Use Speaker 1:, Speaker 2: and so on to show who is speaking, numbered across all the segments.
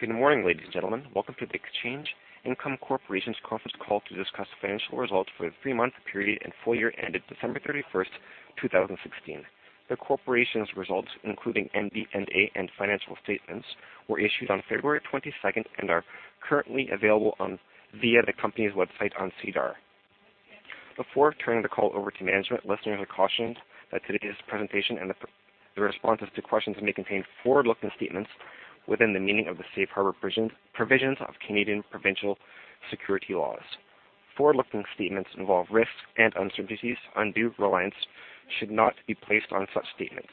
Speaker 1: Good morning, ladies and gentlemen. Welcome to the Exchange Income Corporation's conference call to discuss financial results for the three-month period and full year ended December 31, 2016. The corporation's results, including MD&A and financial statements, were issued on February 22 and are currently available via the company's website on SEDAR. Before turning the call over to management, listeners are cautioned that today's presentation and the responses to questions may contain forward-looking statements within the meaning of the safe harbor provisions of Canadian provincial security laws. Forward-looking statements involve risks and uncertainties. Undue reliance should not be placed on such statements.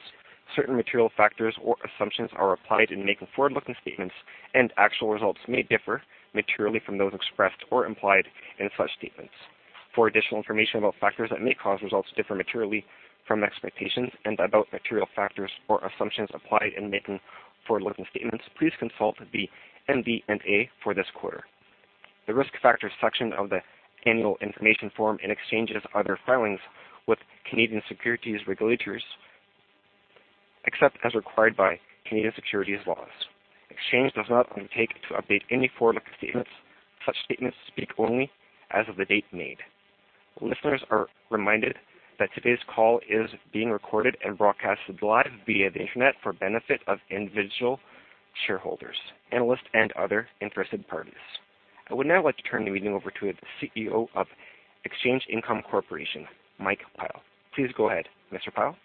Speaker 1: Certain material factors or assumptions are applied in making forward-looking statements, and actual results may differ materially from those expressed or implied in such statements. For additional information about factors that may cause results to differ materially from expectations and about material factors or assumptions applied in making forward-looking statements, please consult the MD&A for this quarter. The risk factors section of the annual information form and Exchange's other filings with Canadian securities regulators, except as required by Canadian securities laws. Exchange does not undertake to update any forward-looking statements. Such statements speak only as of the date made. Listeners are reminded that today's call is being recorded and broadcast live via the internet for benefit of individual shareholders, analysts, and other interested parties. I would now like to turn the meeting over to the CEO of Exchange Income Corporation, Mike Pyle. Please go ahead, Mr. Pyle.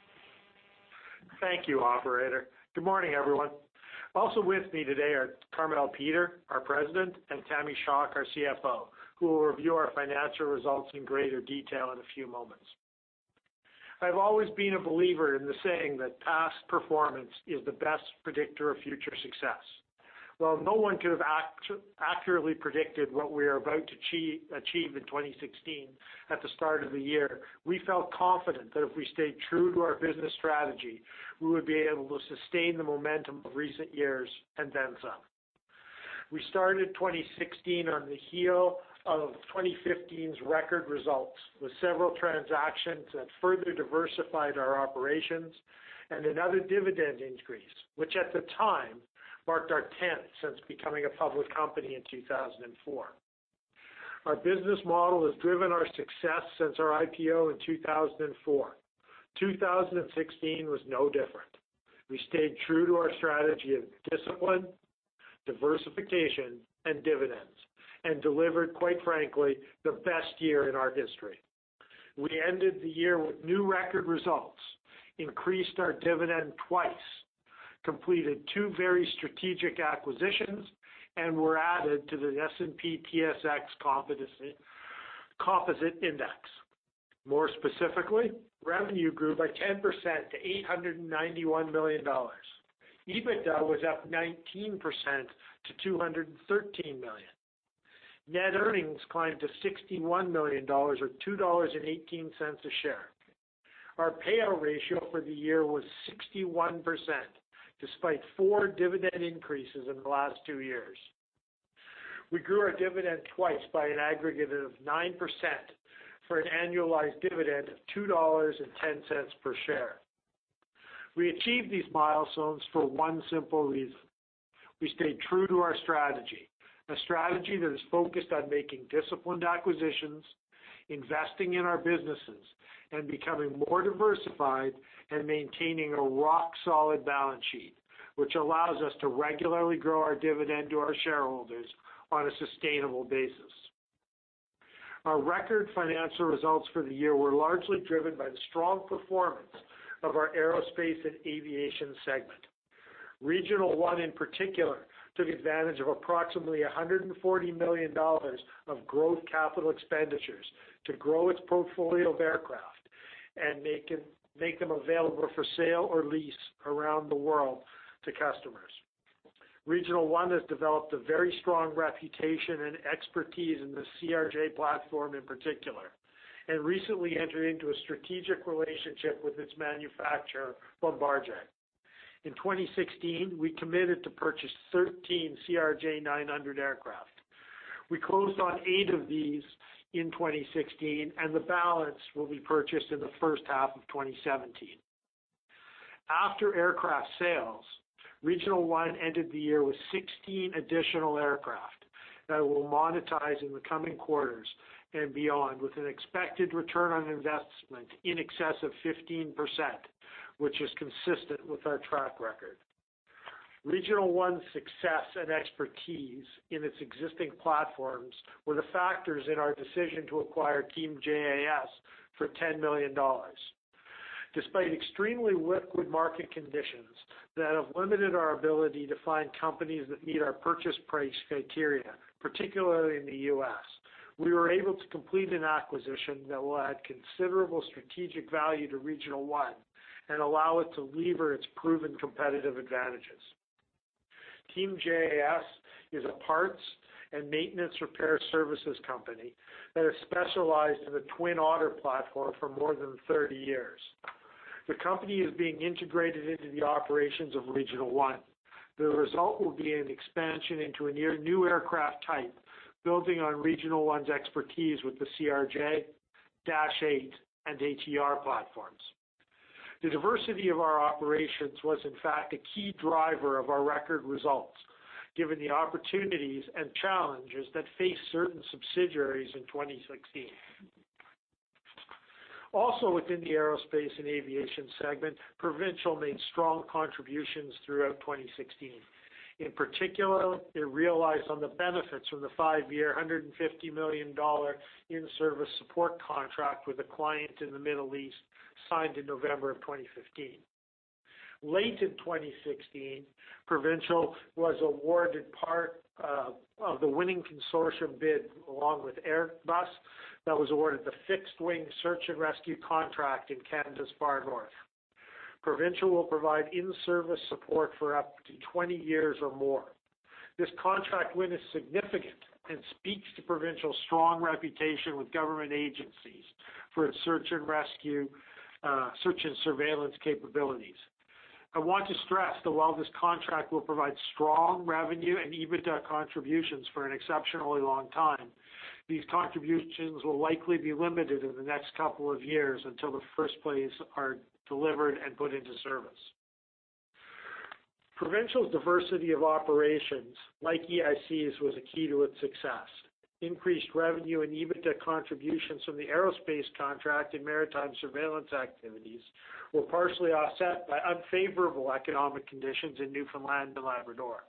Speaker 2: Thank you, operator. Good morning, everyone. Also with me today are Carmele Peter, our President, and Tamara Schock, our CFO, who will review our financial results in greater detail in a few moments. I've always been a believer in the saying that past performance is the best predictor of future success. While no one could have accurately predicted what we are about to achieve in 2016 at the start of the year, we felt confident that if we stayed true to our business strategy, we would be able to sustain the momentum of recent years and then some. We started 2016 on the heel of 2015's record results, with several transactions that further diversified our operations and another dividend increase, which at the time marked our 10th since becoming a public company in 2004. Our business model has driven our success since our IPO in 2004. 2016 was no different. We stayed true to our strategy of discipline, diversification, and dividends, and delivered, quite frankly, the best year in our history. We ended the year with new record results, increased our dividend twice, completed two very strategic acquisitions, and were added to the S&P/TSX Composite Index. More specifically, revenue grew by 10% to 891 million dollars. EBITDA was up 19% to 213 million. Net earnings climbed to 61 million dollars, or 2.18 dollars a share. Our payout ratio for the year was 61%, despite four dividend increases in the last two years. We grew our dividend twice by an aggregate of 9% for an annualized dividend of 2.10 dollars per share. We achieved these milestones for one simple reason: We stayed true to our strategy, a strategy that is focused on making disciplined acquisitions, investing in our businesses, and becoming more diversified and maintaining a rock-solid balance sheet, which allows us to regularly grow our dividend to our shareholders on a sustainable basis. Our record financial results for the year were largely driven by the strong performance of our aerospace and aviation segment. Regional One, in particular, took advantage of approximately 140 million dollars of growth capital expenditures to grow its portfolio of aircraft and make them available for sale or lease around the world to customers. Regional One has developed a very strong reputation and expertise in the CRJ platform in particular, and recently entered into a strategic relationship with its manufacturer, Bombardier. In 2016, we committed to purchase 13 CRJ-900 aircraft. We closed on eight of these in 2016, and the balance will be purchased in the first half of 2017. After aircraft sales, Regional One ended the year with 16 additional aircraft that it will monetize in the coming quarters and beyond, with an expected return on investment in excess of 15%, which is consistent with our track record. Regional One's success and expertise in its existing platforms were the factors in our decision to acquire Team JAS for 10 million dollars. Despite extremely liquid market conditions that have limited our ability to find companies that meet our purchase price criteria, particularly in the U.S., we were able to complete an acquisition that will add considerable strategic value to Regional One and allow it to lever its proven competitive advantages. Team JAS is a parts and maintenance repair services company that has specialized in the Twin Otter platform for more than 30 years. The company is being integrated into the operations of Regional One. The result will be an expansion into a new aircraft type, building on Regional One's expertise with the CRJ, Dash 8, and ATR platforms. The diversity of our operations was in fact a key driver of our record results, given the opportunities and challenges that faced certain subsidiaries in 2016. Also within the aerospace and aviation segment, Provincial made strong contributions throughout 2016. In particular, it realized on the benefits from the five-year, 150 million dollar in-service support contract with a client in the Middle East, signed in November of 2015. Late in 2016, Provincial was awarded part of the winning consortium bid along with Airbus, that was awarded the fixed-wing search and rescue contract in Canada's Far North. Provincial will provide in-service support for up to 20 years or more. This contract win is significant and speaks to Provincial's strong reputation with government agencies for its search and surveillance capabilities. I want to stress that while this contract will provide strong revenue and EBITDA contributions for an exceptionally long time, these contributions will likely be limited in the next couple of years until the first planes are delivered and put into service. Provincial's diversity of operations, like EIC's, was a key to its success. Increased revenue and EBITDA contributions from the aerospace contract and maritime surveillance activities were partially offset by unfavorable economic conditions in Newfoundland and Labrador.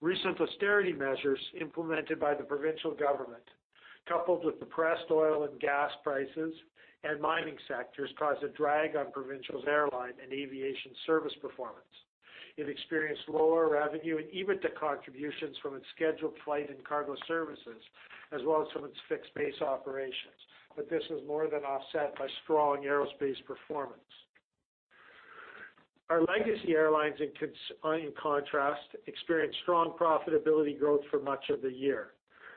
Speaker 2: Recent austerity measures implemented by the provincial government, coupled with depressed oil and gas prices and mining sectors, caused a drag on Provincial's airline and aviation service performance. It experienced lower revenue and EBITDA contributions from its scheduled flight and cargo services, as well as from its fixed-base operations. This was more than offset by strong aerospace performance. Our legacy airlines, in contrast, experienced strong profitability growth for much of the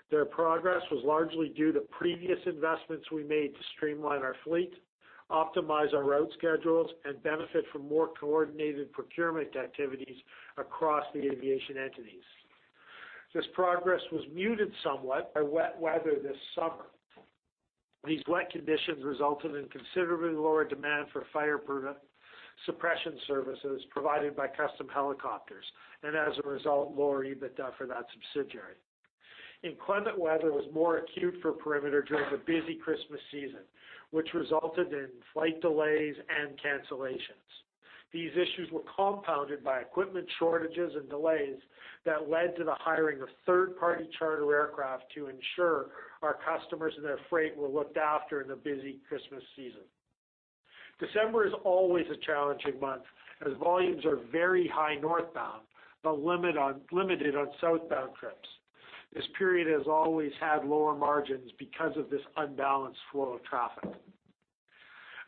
Speaker 2: year. Their progress was largely due to previous investments we made to streamline our fleet, optimize our route schedules, and benefit from more coordinated procurement activities across the aviation entities. This progress was muted somewhat by wet weather this summer. These wet conditions resulted in considerably lower demand for fire suppression services provided by Custom Helicopters, and as a result, lower EBITDA for that subsidiary. Inclement weather was more acute for Perimeter during the busy Christmas season, which resulted in flight delays and cancellations. These issues were compounded by equipment shortages and delays that led to the hiring of third-party charter aircraft to ensure our customers and their freight were looked after in the busy Christmas season. December is always a challenging month as volumes are very high northbound, but limited on southbound trips. This period has always had lower margins because of this unbalanced flow of traffic.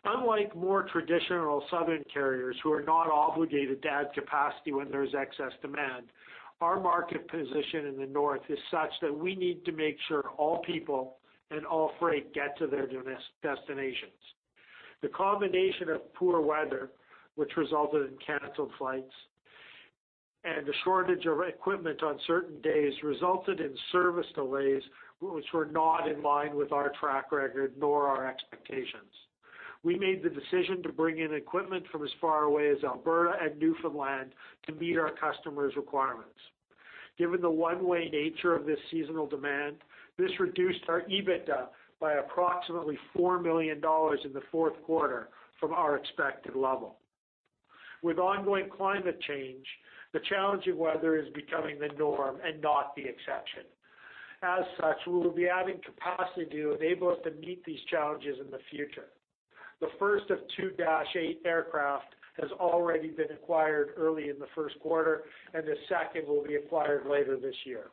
Speaker 2: Unlike more traditional southern carriers who are not obligated to add capacity when there's excess demand, our market position in the North is such that we need to make sure all people and all freight get to their destinations. The combination of poor weather, which resulted in canceled flights, and the shortage of equipment on certain days, resulted in service delays, which were not in line with our track record nor our expectations. We made the decision to bring in equipment from as far away as Alberta and Newfoundland to meet our customers' requirements. Given the one-way nature of this seasonal demand, this reduced our EBITDA by approximately 4 million dollars in the fourth quarter from our expected level. With ongoing climate change, the challenging weather is becoming the norm and not the exception. As such, we will be adding capacity to enable us to meet these challenges in the future. The first of two Dash 8 aircraft has already been acquired early in the first quarter, and the second will be acquired later this year.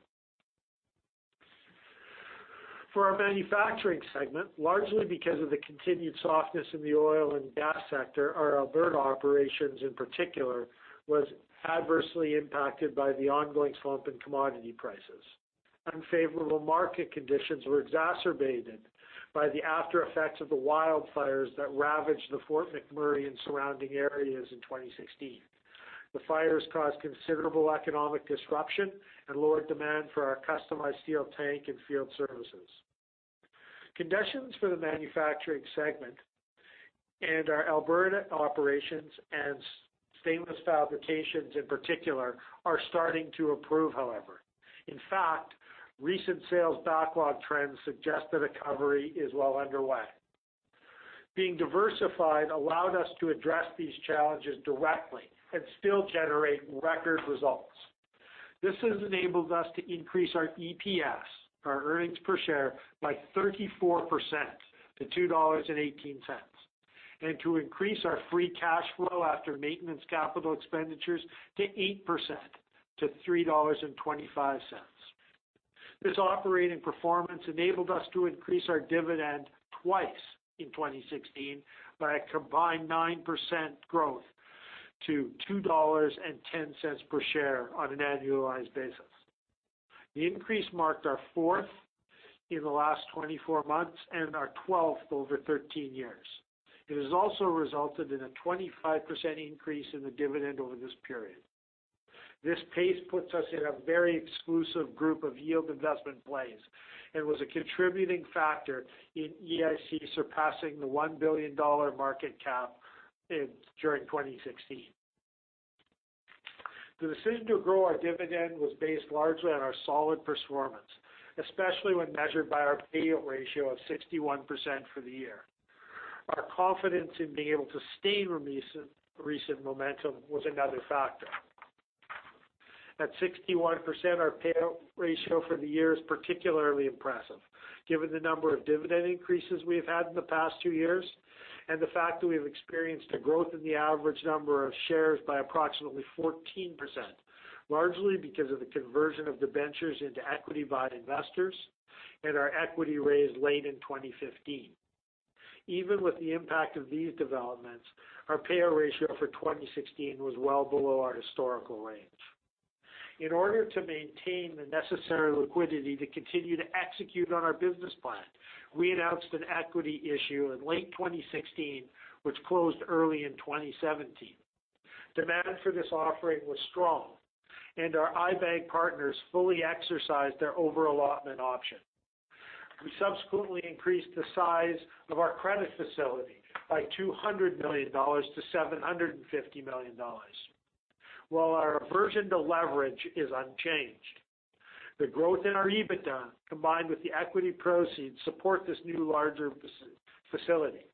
Speaker 2: For our manufacturing segment, largely because of the continued softness in the oil and gas sector, our Alberta Operations in particular was adversely impacted by the ongoing slump in commodity prices. Unfavorable market conditions were exacerbated by the aftereffects of the wildfires that ravaged the Fort McMurray and surrounding areas in 2016. The fires caused considerable economic disruption and lowered demand for our customized steel tank and field services. Conditions for the manufacturing segment and our Alberta Operations and Stainless Fabrications in particular are starting to improve, however. In fact, recent sales backlog trends suggest the recovery is well underway. Being diversified allowed us to address these challenges directly and still generate record results. This has enabled us to increase our EPS, our earnings per share, by 34% to 2.18 dollars, and to increase our free cash flow after maintenance capital expenditures to 8%, to 3.25 dollars. This operating performance enabled us to increase our dividend twice in 2016 by a combined 9% growth to 2.10 dollars per share on an annualized basis. The increase marked our fourth in the last 24 months and our 12th over 13 years. It has also resulted in a 25% increase in the dividend over this period. This pace puts us in a very exclusive group of yield investment plays and was a contributing factor in EIC surpassing the 1 billion dollar market cap during 2016. The decision to grow our dividend was based largely on our solid performance, especially when measured by our payout ratio of 61% for the year. Our confidence in being able to sustain recent momentum was another factor. At 61%, our payout ratio for the year is particularly impressive given the number of dividend increases we have had in the past two years, and the fact that we have experienced a growth in the average number of shares by approximately 14%, largely because of the conversion of debentures into equity by investors and our equity raise late in 2015. Even with the impact of these developments, our payout ratio for 2016 was well below our historical range. In order to maintain the necessary liquidity to continue to execute on our business plan, we announced an equity issue in late 2016, which closed early in 2017. Demand for this offering was strong, and our I-bank partners fully exercised their over-allotment option. We subsequently increased the size of our credit facility by 200 million dollars to 750 million dollars. While our aversion to leverage is unchanged, the growth in our EBITDA, combined with the equity proceeds, support this new larger facility.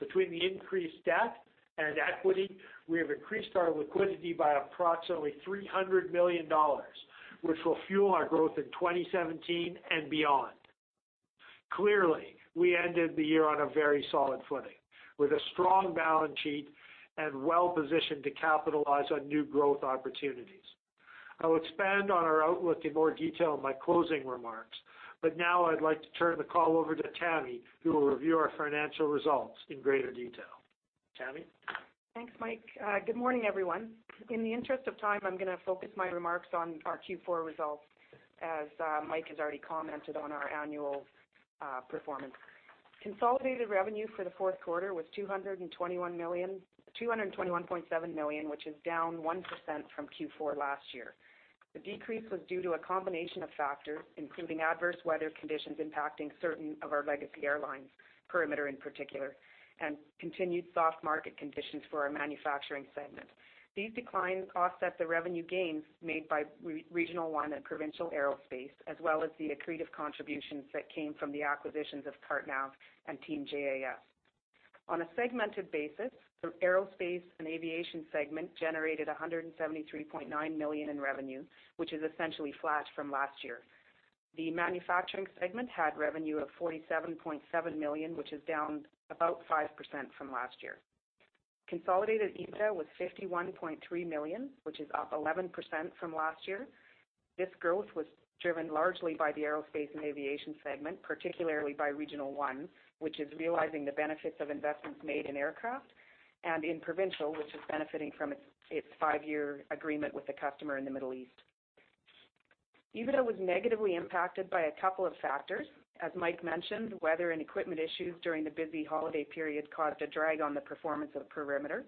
Speaker 2: Between the increased debt and equity, we have increased our liquidity by approximately 300 million dollars, which will fuel our growth in 2017 and beyond. Clearly, we ended the year on a very solid footing, with a strong balance sheet and well-positioned to capitalize on new growth opportunities. I'll expand on our outlook in more detail in my closing remarks. Now I'd like to turn the call over to Tammy, who will review our financial results in greater detail. Tammy?
Speaker 3: Thanks, Mike. Good morning, everyone. In the interest of time, I'm going to focus my remarks on our Q4 results, as Mike has already commented on our annual performance. Consolidated revenue for the fourth quarter was 221.7 million, which is down 1% from Q4 last year. The decrease was due to a combination of factors, including adverse weather conditions impacting certain of our legacy airlines, Perimeter in particular, and continued soft market conditions for our manufacturing segment. These declines offset the revenue gains made by Regional One and Provincial Aerospace, as well as the accretive contributions that came from the acquisitions of CarteNav and Team JAS. On a segmented basis, the aerospace and aviation segment generated 173.9 million in revenue, which is essentially flat from last year. The manufacturing segment had revenue of 47.7 million, which is down about 5% from last year. Consolidated EBITDA was 51.3 million, which is up 11% from last year. This growth was driven largely by the aerospace and aviation segment, particularly by Regional One, which is realizing the benefits of investments made in aircraft, and in Provincial, which is benefiting from its 5-year agreement with a customer in the Middle East. EBITDA was negatively impacted by a couple of factors. As Mike mentioned, weather and equipment issues during the busy holiday period caused a drag on the performance of Perimeter.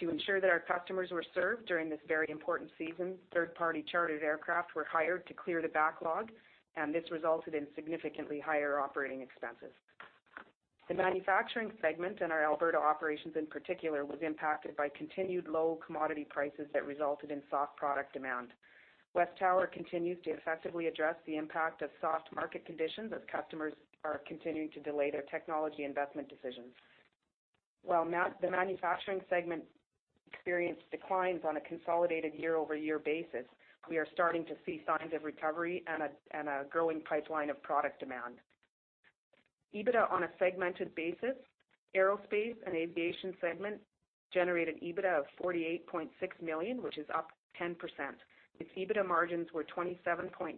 Speaker 3: To ensure that our customers were served during this very important season, third-party chartered aircraft were hired to clear the backlog. This resulted in significantly higher operating expenses. The manufacturing segment in our Alberta Operations, in particular, was impacted by continued low commodity prices that resulted in soft product demand. WesTower continues to effectively address the impact of soft market conditions as customers are continuing to delay their technology investment decisions. While the manufacturing segment experienced declines on a consolidated year-over-year basis, we are starting to see signs of recovery and a growing pipeline of product demand. EBITDA on a segmented basis, aerospace and aviation segment generated EBITDA of 48.6 million, which is up 10%. Its EBITDA margins were 27.9%,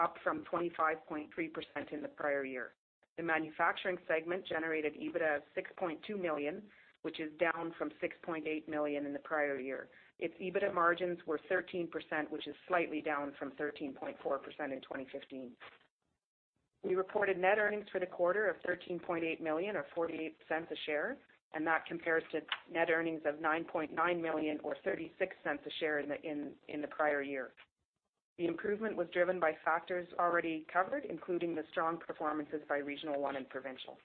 Speaker 3: up from 25.3% in the prior year. The manufacturing segment generated EBITDA of 6.2 million, which is down from 6.8 million in the prior year. Its EBITDA margins were 13%, which is slightly down from 13.4% in 2015. We reported net earnings for the quarter of 13.8 million, or 0.48 a share. That compares to net earnings of 9.9 million or 0.36 a share in the prior year. The improvement was driven by factors already covered, including the strong performances by Regional One and Provincial.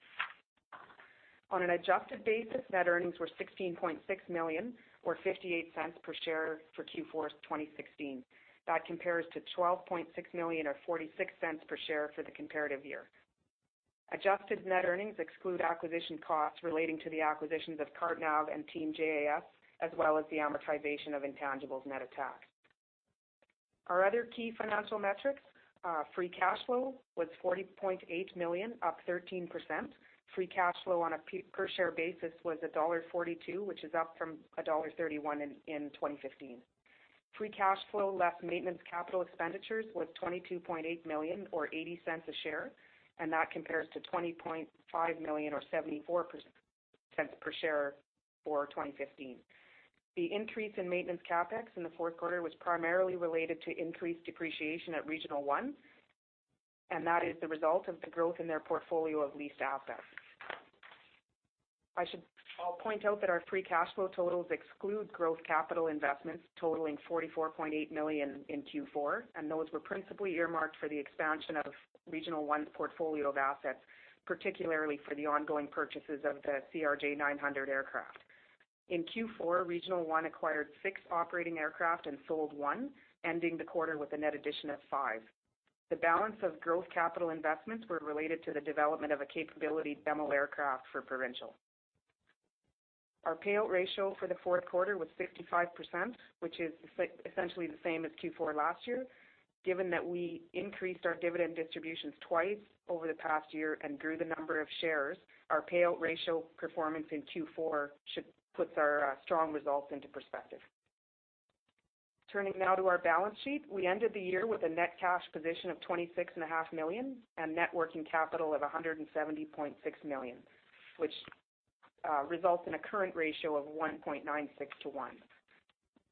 Speaker 3: On an adjusted basis, net earnings were 16.6 million, or 0.58 per share for Q4 2016. That compares to 12.6 million or 0.46 per share for the comparative year. Adjusted net earnings exclude acquisition costs relating to the acquisitions of CarteNav and Team JAS, as well as the amortization of intangibles net of tax. Our other key financial metrics, free cash flow was 40.8 million, up 13%. Free cash flow on a per-share basis was dollar 1.42, which is up from dollar 1.31 in 2015. Free cash flow, less maintenance capital expenditures, was 22.8 million or 0.80 a share. That compares to 20.5 million or 0.74 per share for 2015. The increase in maintenance CapEx in the fourth quarter was primarily related to increased depreciation at Regional One. That is the result of the growth in their portfolio of leased assets. I should point out that our free cash flow totals exclude growth capital investments totaling CAD 44.8 million in Q4. Those were principally earmarked for the expansion of Regional One's portfolio of assets, particularly for the ongoing purchases of the CRJ900 aircraft. In Q4, Regional One acquired six operating aircraft and sold one, ending the quarter with a net addition of five. The balance of growth capital investments were related to the development of a capability demo aircraft for Provincial. Our payout ratio for the fourth quarter was 65%, which is essentially the same as Q4 last year. Given that we increased our dividend distributions twice over the past year and grew the number of shares, our payout ratio performance in Q4 puts our strong results into perspective. Turning now to our balance sheet. We ended the year with a net cash position of 26.5 million and net working capital of 170.6 million, which results in a current ratio of 1.96:1.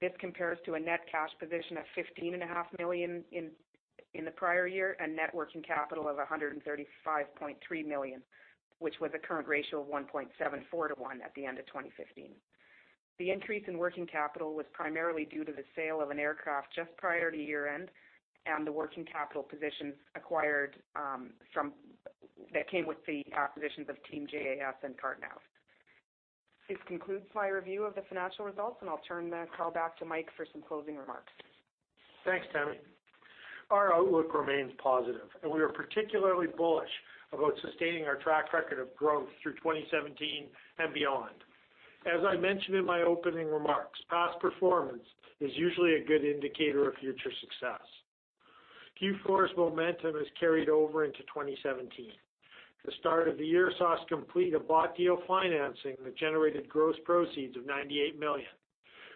Speaker 3: This compares to a net cash position of 15.5 million in the prior year and net working capital of 135.3 million, which was a current ratio of 1.74:1 at the end of 2015. The increase in working capital was primarily due to the sale of an aircraft just prior to year-end and the working capital positions acquired that came with the acquisitions of Team JAS and CarteNav. This concludes my review of the financial results. I'll turn the call back to Mike for some closing remarks.
Speaker 2: Thanks, Tammy. Our outlook remains positive. We are particularly bullish about sustaining our track record of growth through 2017 and beyond. As I mentioned in my opening remarks, past performance is usually a good indicator of future success. Q4's momentum has carried over into 2017. The start of the year saw us complete a bought deal financing that generated gross proceeds of 98 million.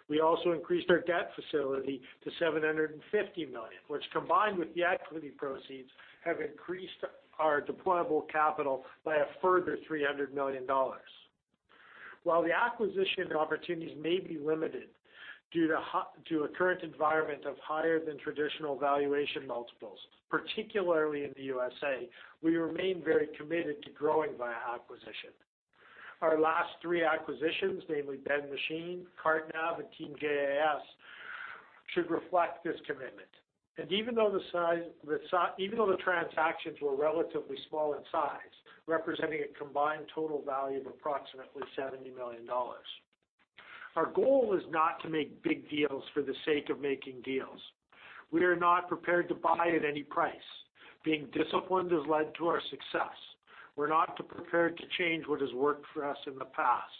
Speaker 2: We also increased our debt facility to 750 million, which combined with the equity proceeds, have increased our deployable capital by a further 300 million dollars. While the acquisition opportunities may be limited due to a current environment of higher than traditional valuation multiples, particularly in the U.S., we remain very committed to growing via acquisition. Our last three acquisitions, namely Ben Machine, CarteNav, and Team JAS, should reflect this commitment. Even though the transactions were relatively small in size, representing a combined total value of approximately 70 million dollars. Our goal is not to make big deals for the sake of making deals. We are not prepared to buy at any price. Being disciplined has led to our success. We're not prepared to change what has worked for us in the past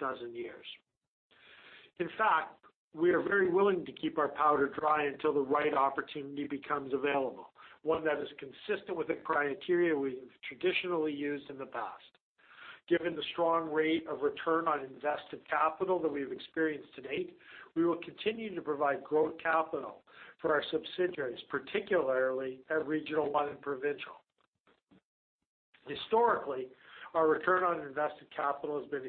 Speaker 2: 12 years. In fact, we are very willing to keep our powder dry until the right opportunity becomes available, one that is consistent with the criteria we have traditionally used in the past. Given the strong rate of return on invested capital that we've experienced to date, we will continue to provide growth capital for our subsidiaries, particularly at Regional One and Provincial. Historically, our return on invested capital has been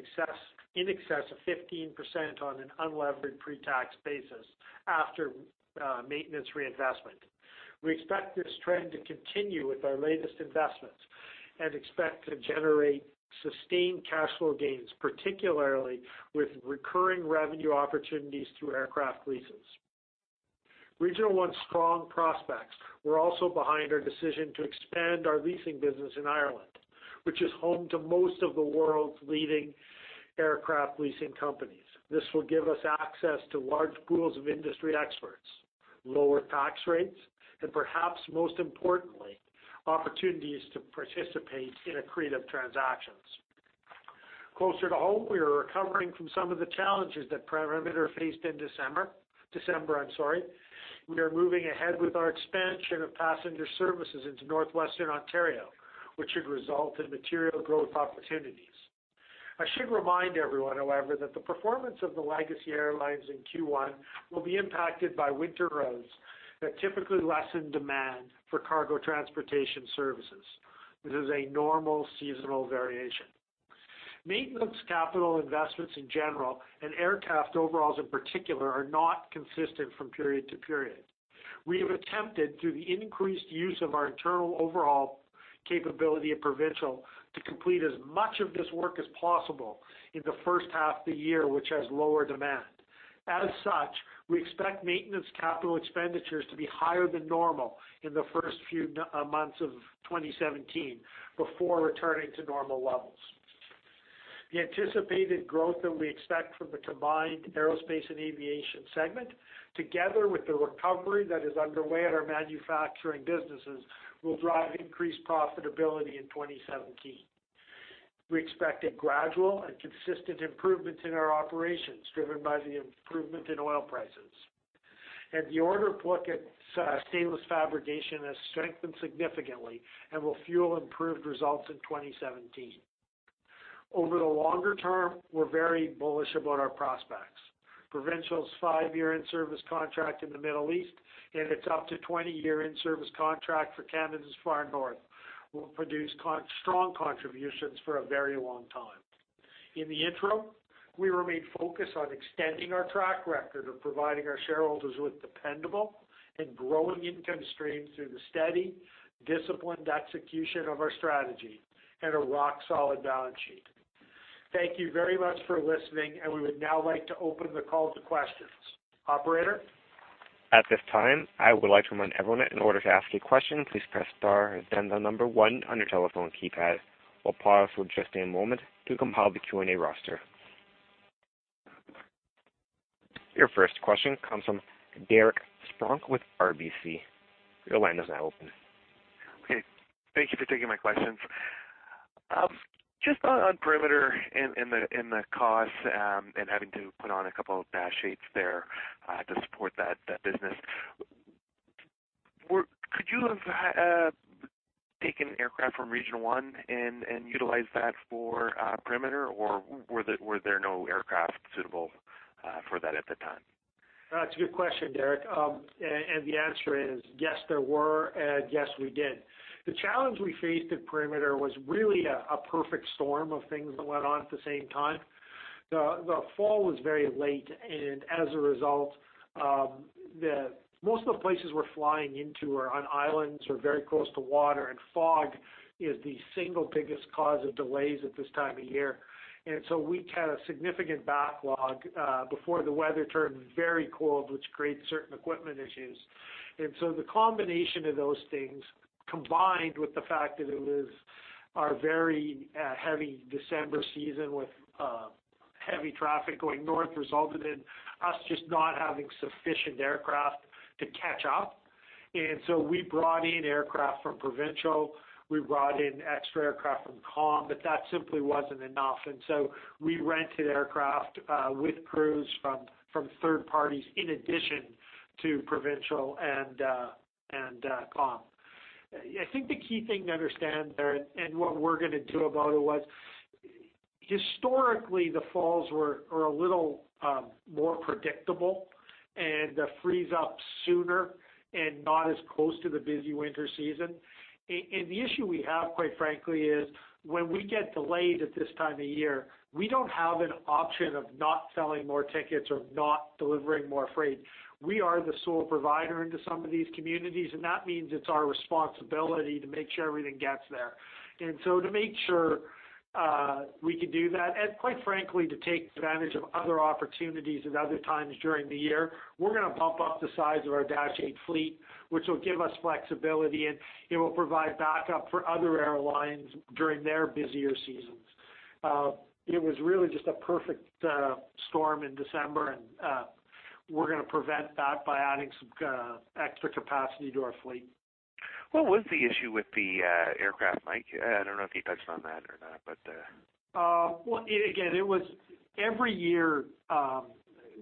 Speaker 2: in excess of 15% on an unlevered pre-tax basis after maintenance reinvestment. We expect this trend to continue with our latest investments. We expect to generate sustained cash flow gains, particularly with recurring revenue opportunities through aircraft leases. Regional One's strong prospects were also behind our decision to expand our leasing business in Ireland, which is home to most of the world's leading aircraft leasing companies. This will give us access to large pools of industry experts, lower tax rates, and perhaps most importantly, opportunities to participate in accretive transactions. Closer to home, we are recovering from some of the challenges that Perimeter faced in December. We are moving ahead with our expansion of passenger services into Northwestern Ontario, which should result in material growth opportunities. I should remind everyone, however, that the performance of the Legacy airlines in Q1 will be impacted by winter roads that typically lessen demand for cargo transportation services. This is a normal seasonal variation. Maintenance capital investments in general and aircraft overhauls in particular are not consistent from period to period. We have attempted through the increased use of our internal overhaul capability at Provincial to complete as much of this work as possible in the first half of the year, which has lower demand. As such, we expect maintenance capital expenditures to be higher than normal in the first few months of 2017 before returning to normal levels. The anticipated growth that we expect from the combined aerospace and aviation segment, together with the recovery that is underway at our manufacturing businesses, will drive increased profitability in 2017. We expect a gradual and consistent improvement in our operations driven by the improvement in oil prices. The order book at Stainless Fabrication has strengthened significantly and will fuel improved results in 2017. Over the longer term, we're very bullish about our prospects. Provincial's five-year in-service contract in the Middle East and its up to 20-year in-service contract for Canada's Far North will produce strong contributions for a very long time. In the interim, we remain focused on extending our track record of providing our shareholders with dependable and growing income streams through the steady, disciplined execution of our strategy and a rock-solid balance sheet. Thank you very much for listening, and we would now like to open the call to questions. Operator?
Speaker 1: At this time, I would like to remind everyone that in order to ask a question, please press star and then the number one on your telephone keypad. We'll pause for just a moment to compile the Q&A roster. Your first question comes from Derek Spronck with RBC. Your line is now open.
Speaker 4: Okay. Thank you for taking my questions. Just on Perimeter and the cost and having to put on a couple of Dash 8s there to support that business, could you have taken aircraft from Regional One and utilized that for Perimeter, or were there no aircraft suitable for that at the time?
Speaker 2: That's a good question, Derek. The answer is yes, there were, and yes, we did. The challenge we faced at Perimeter was really a perfect storm of things that went on at the same time. The fall was very late and as a result, most of the places we're flying into are on islands or very close to water, and fog is the single biggest cause of delays at this time of year. We had a significant backlog before the weather turned very cold, which created certain equipment issues. The combination of those things, combined with the fact that it was our very heavy December season with heavy traffic going north, resulted in us just not having sufficient aircraft to catch up. We brought in aircraft from Provincial, we brought in extra aircraft from Calm, but that simply wasn't enough. We rented aircraft with crews from third parties in addition to Provincial and Calm. I think the key thing to understand there and what we're going to do about it was historically, the falls were a little more predictable and freeze up sooner and not as close to the busy winter season. The issue we have, quite frankly, is when we get delayed at this time of year, we don't have an option of not selling more tickets or not delivering more freight. We are the sole provider into some of these communities, and that means it's our responsibility to make sure everything gets there. To make sure we can do that, and quite frankly, to take advantage of other opportunities at other times during the year, we're going to bump up the size of our Dash 8 fleet, which will give us flexibility and it will provide backup for other airlines during their busier seasons. It was really just a perfect storm in December, we're going to prevent that by adding some extra capacity to our fleet.
Speaker 4: What was the issue with the aircraft, Mike? I don't know if you touched on that or not.
Speaker 2: Well, again, every year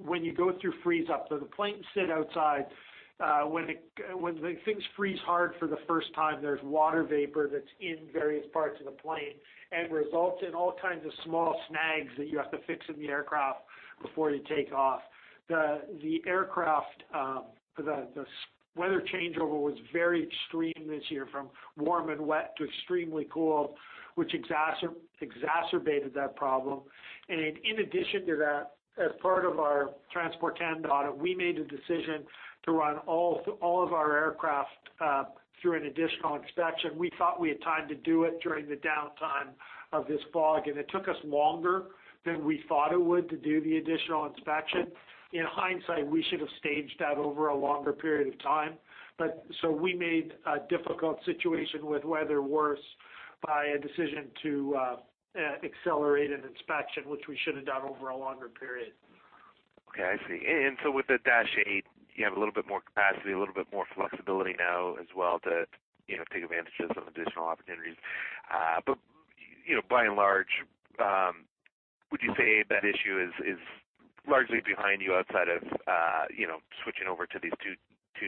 Speaker 2: when you go through freeze up, the planes sit outside. When things freeze hard for the first time, there's water vapor that's in various parts of the plane and results in all kinds of small snags that you have to fix in the aircraft before you take off. The weather changeover was very extreme this year, from warm and wet to extremely cold, which exacerbated that problem. In addition to that, as part of our Transport Canada audit, we made a decision to run all of our aircraft through an additional inspection. We thought we had time to do it during the downtime of this fog, and it took us longer than we thought it would to do the additional inspection. In hindsight, we should have staged that over a longer period of time. We made a difficult situation with weather worse by a decision to accelerate an inspection, which we should have done over a longer period.
Speaker 4: Okay, I see. With the Dash 8, you have a little bit more capacity, a little bit more flexibility now as well to take advantage of some additional opportunities. By and large would you say that issue is largely behind you outside of switching over to these two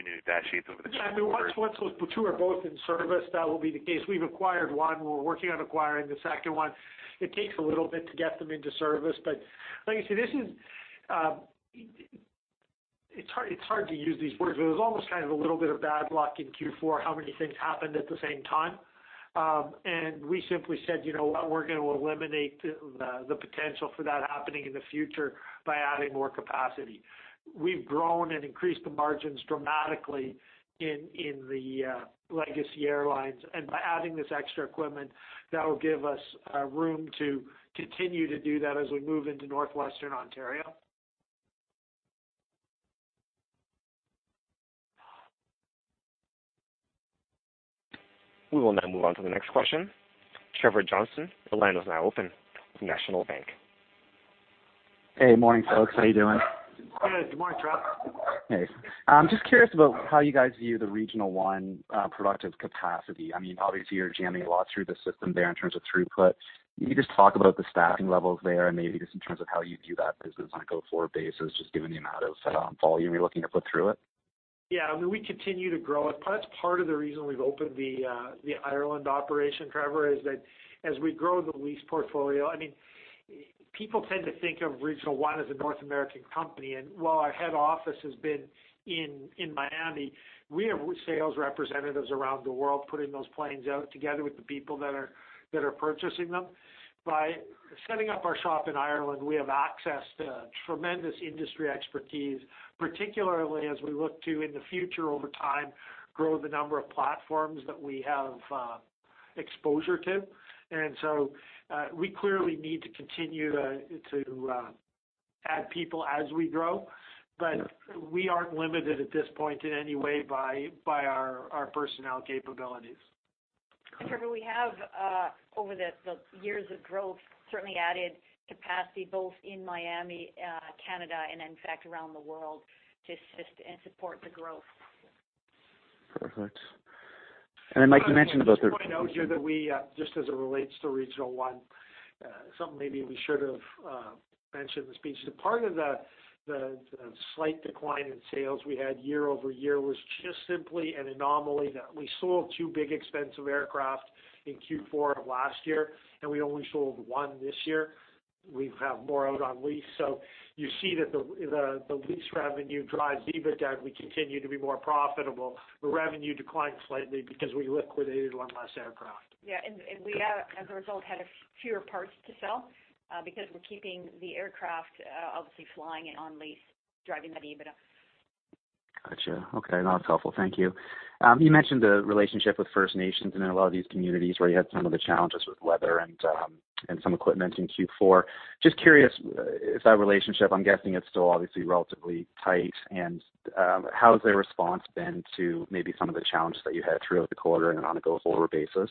Speaker 4: new Dash 8s over the-
Speaker 2: Yeah, once those two are both in service, that will be the case. We've acquired one. We're working on acquiring the second one. It takes a little bit to get them into service. But like I said, it's hard to use these words, but it was almost kind of a little bit of bad luck in Q4 how many things happened at the same time. We simply said, "You know what? We're going to eliminate the potential for that happening in the future by adding more capacity." We've grown and increased the margins dramatically in the legacy airlines. By adding this extra equipment, that will give us room to continue to do that as we move into Northwestern Ontario.
Speaker 1: We will now move on to the next question. Trevor Johnson, the line is now open, National Bank.
Speaker 5: Hey, morning, folks. How you doing?
Speaker 2: Good. Good morning, Trevor.
Speaker 5: Hey. I'm just curious about how you guys view the Regional One productive capacity. Obviously, you're jamming a lot through the system there in terms of throughput. Can you just talk about the staffing levels there and maybe just in terms of how you view that business on a go-forward basis, just given the amount of volume you're looking to put through it?
Speaker 2: Yeah. We continue to grow it. That's part of the reason we've opened the Ireland operation, Trevor, is that as we grow the lease portfolio. People tend to think of Regional One as a North American company. While our head office has been in Miami, we have sales representatives around the world putting those planes out together with the people that are purchasing them. By setting up our shop in Ireland, we have access to tremendous industry expertise, particularly as we look to, in the future, over time, grow the number of platforms that we have exposure to. We clearly need to continue to add people as we grow, but we aren't limited at this point in any way by our personnel capabilities.
Speaker 6: Trevor, we have, over the years of growth, certainly added capacity both in Miami, Canada, and in fact around the world to assist and support the growth.
Speaker 5: Perfect. Mike, you mentioned about.
Speaker 2: Just to point out here that we, just as it relates to Regional One, something maybe we should've mentioned in the speech. Part of the slight decline in sales we had year-over-year was just simply an anomaly that we sold 2 big, expensive aircraft in Q4 of last year, and we only sold one this year. We have more out on lease. You see that the lease revenue drives EBITDA, we continue to be more profitable, but revenue declined slightly because we liquidated one less aircraft.
Speaker 6: Yeah. We have, as a result, had fewer parts to sell, because we're keeping the aircraft obviously flying and on lease, driving that EBITDA.
Speaker 5: Got you. Okay. No, that's helpful. Thank you. You mentioned the relationship with First Nations and in a lot of these communities where you had some of the challenges with weather and some equipment in Q4. Just curious, if that relationship, I'm guessing it's still obviously relatively tight, and how has their response been to maybe some of the challenges that you had throughout the quarter and on a go-forward basis?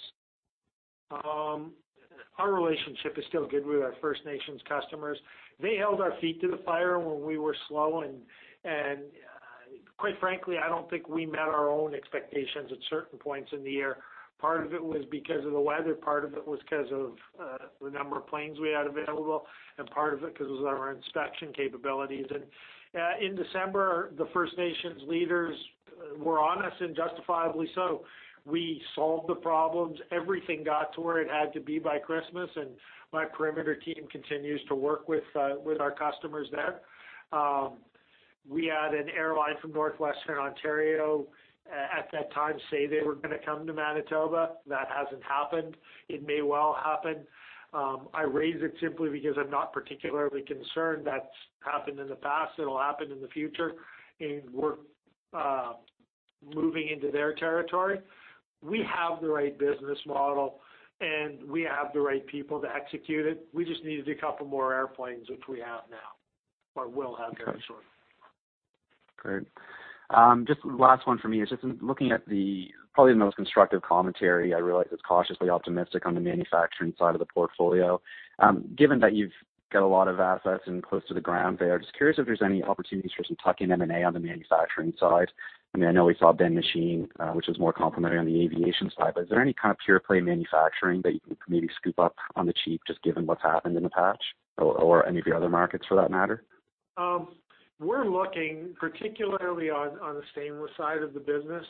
Speaker 2: Our relationship is still good with our First Nations customers. They held our feet to the fire when we were slow and quite frankly, I don't think we met our own expectations at certain points in the year. Part of it was because of the weather, part of it was because of the number of planes we had available, and part of it because it was our inspection capabilities. In December, the First Nations leaders were on us, and justifiably so. We solved the problems. Everything got to where it had to be by Christmas, and my Perimeter team continues to work with our customers there. We had an airline from Northwestern Ontario, at that time, say they were going to come to Manitoba. That hasn't happened. It may well happen. I raise it simply because I'm not particularly concerned. That's happened in the past, it'll happen in the future, and we're moving into their territory. We have the right business model, and we have the right people to execute it. We just needed a couple more airplanes, which we have now or will have very shortly.
Speaker 5: Got you. Great. Last one from me is just looking at the probably most constructive commentary. I realize it's cautiously optimistic on the manufacturing side of the portfolio. Given that you've got a lot of assets and close to the ground there, curious if there's any opportunities for some tuck-in M&A on the manufacturing side. I know we saw Ben Machine, which is more complementary on the aviation side. Is there any kind of pure play manufacturing that you can maybe scoop up on the cheap, just given what's happened in the patch or any of your other markets for that matter?
Speaker 2: We're looking particularly on the stainless side of the business.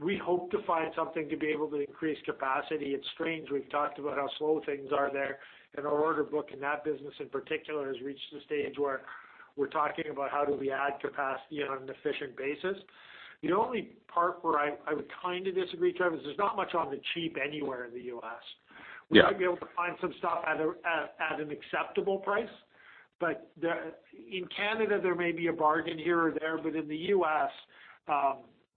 Speaker 2: We hope to find something to be able to increase capacity. It's strange, we've talked about how slow things are there. Our order book in that business in particular has reached the stage where we're talking about how do we add capacity on an efficient basis. The only part where I would kind of disagree, Trevor, is there's not much on the cheap anywhere in the U.S.
Speaker 5: Yeah.
Speaker 2: We might be able to find some stuff at an acceptable price. In Canada, there may be a bargain here or there. In the U.S.,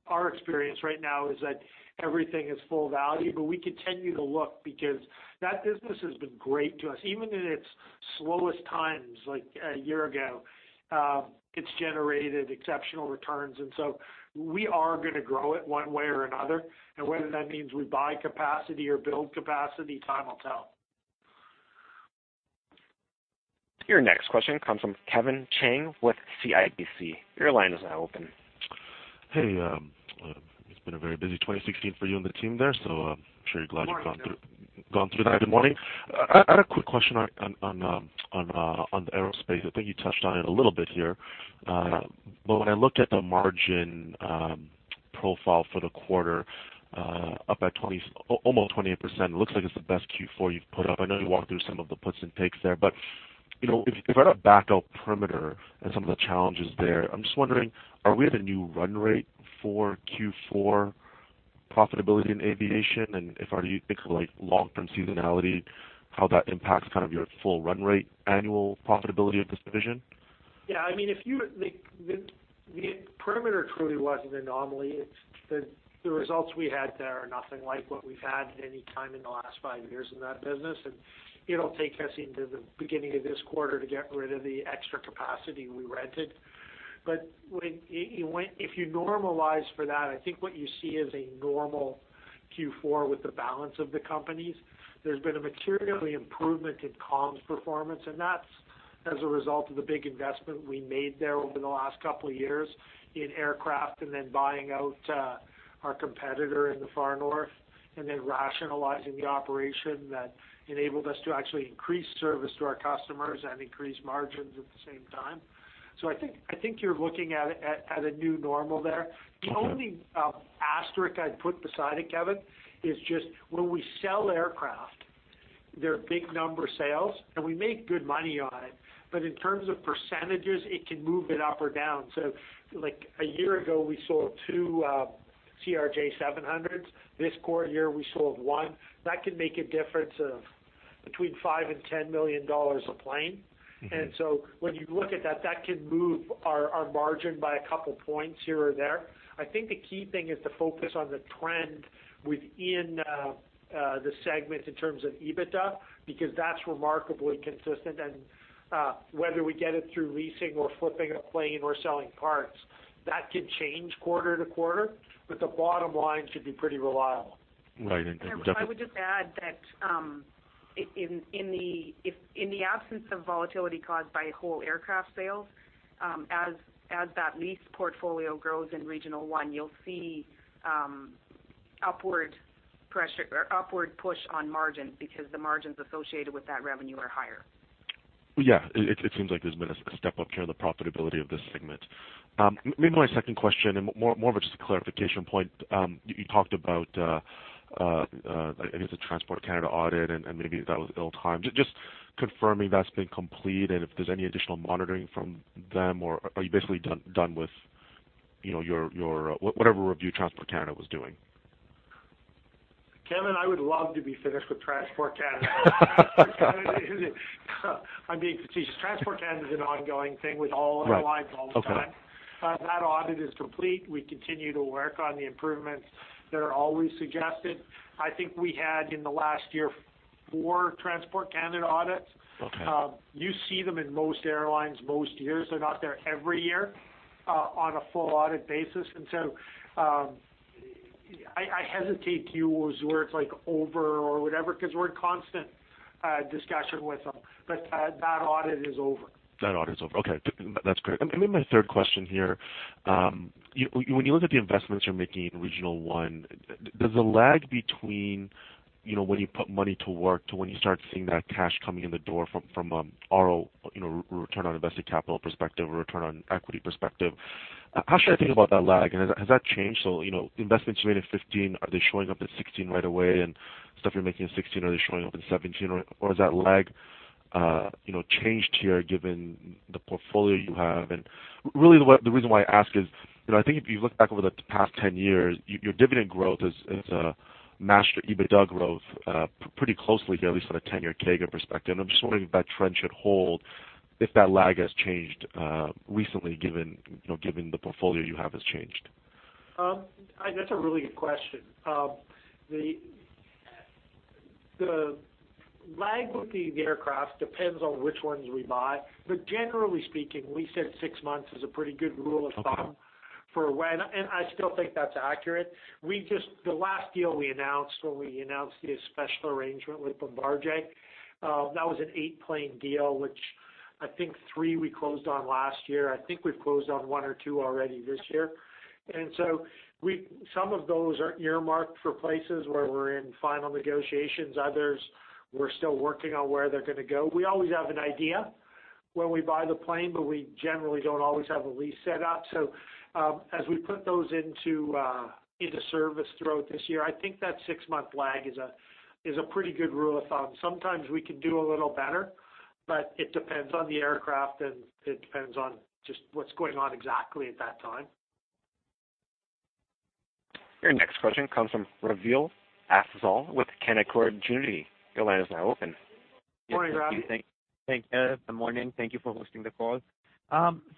Speaker 2: our experience right now is that everything is full value. We continue to look because that business has been great to us. Even in its slowest times, like a year ago, it's generated exceptional returns. We are going to grow it one way or another, and whether that means we buy capacity or build capacity, time will tell.
Speaker 1: Your next question comes from Kevin Chiang with CIBC. Your line is now open.
Speaker 7: Hey. It's been a very busy 2016 for you and the team there, so I'm sure you're glad you've gone through that.
Speaker 2: Good morning.
Speaker 7: Good morning. I had a quick question on the aerospace. I think you touched on it a little bit here. When I looked at the margin profile for the quarter, up by almost 28%, it looks like it's the best Q4 you've put up. I know you walked through some of the puts and takes there. If I had to back out Perimeter and some of the challenges there, I'm just wondering, are we at a new run rate for Q4 profitability in aviation? If are you thinking of long-term seasonality, how that impacts your full run rate annual profitability of this division?
Speaker 2: Yeah. Perimeter truly was an anomaly. The results we had there are nothing like what we've had any time in the last five years in that business. It'll take us into the beginning of this quarter to get rid of the extra capacity we rented. If you normalize for that, I think what you see is a normal Q4 with the balance of the companies. There's been a material improvement in Calm Air's performance, and that's as a result of the big investment we made there over the last couple of years in aircraft and then buying out our competitor in the far north, and then rationalizing the operation that enabled us to actually increase service to our customers and increase margins at the same time. I think you're looking at a new normal there. The only asterisk I'd put beside it, Kevin, is just when we sell aircraft. They're big number sales, and we make good money on it, but in terms of percentages, it can move it up or down. Like a year ago, we sold two CRJ700s. This quarter year, we sold one. That can make a difference of between 5 million and 10 million dollars a plane. When you look at that can move our margin by a couple points here or there. I think the key thing is to focus on the trend within the segments in terms of EBITDA, because that's remarkably consistent. Whether we get it through leasing or flipping a plane or selling parts, that can change quarter-to-quarter, but the bottom line should be pretty reliable.
Speaker 7: Right.
Speaker 6: I would just add that in the absence of volatility caused by whole aircraft sales, as that lease portfolio grows in Regional One, you'll see upward push on margins because the margins associated with that revenue are higher.
Speaker 7: Yeah. It seems like there's been a step up here in the profitability of this segment. Maybe my second question and more of a just clarification point. You talked about, I guess the Transport Canada audit, and maybe that was ill-timed. Just confirming that's been completed, if there's any additional monitoring from them or are you basically done with whatever review Transport Canada was doing?
Speaker 2: Kevin, I would love to be finished with Transport Canada. I'm being facetious. Transport Canada's an ongoing thing with all airlines all the time.
Speaker 7: Right. Okay.
Speaker 2: That audit is complete. We continue to work on the improvements that are always suggested. I think we had, in the last year, four Transport Canada audits.
Speaker 7: Okay.
Speaker 2: You see them in most airlines most years. They're not there every year on a full audit basis. I hesitate to use words like over or whatever because we're in constant discussion with them. That audit is over.
Speaker 7: That audit's over. Okay. That's great. Maybe my third question here. When you look at the investments you're making in Regional One, there's a lag between when you put money to work to when you start seeing that cash coming in the door from a ROI, return on invested capital perspective or return on equity perspective. How should I think about that lag, and has that changed? Investments you made in 2015, are they showing up in 2016 right away? Stuff you're making in 2016, are they showing up in 2017? Or has that lag changed here given the portfolio you have? Really the reason why I ask is, I think if you look back over the past 10 years, your dividend growth has matched your EBITDA growth pretty closely here, at least from a 10-year CAGR perspective. I'm just wondering if that trend should hold, if that lag has changed recently given the portfolio you have has changed.
Speaker 2: That's a really good question. The lag with the aircraft depends on which ones we buy. Generally speaking, we said six months is a pretty good rule of thumb for when, I still think that's accurate. The last deal we announced when we announced the special arrangement with Bombardier, that was an eight-plane deal, which I think three we closed on last year. I think we've closed on one or two already this year. Some of those are earmarked for places where we're in final negotiations. Others, we're still working on where they're going to go. We always have an idea when we buy the plane, but we generally don't always have a lease set up. As we put those into service throughout this year, I think that six-month lag is a pretty good rule of thumb. Sometimes we can do a little better, but it depends on the aircraft, and it depends on just what's going on exactly at that time.
Speaker 1: Your next question comes from Ravi Alsal with Canaccord Genuity. Your line is now open.
Speaker 2: Morning, Ravi.
Speaker 8: Thank you. Good morning. Thank you for hosting the call.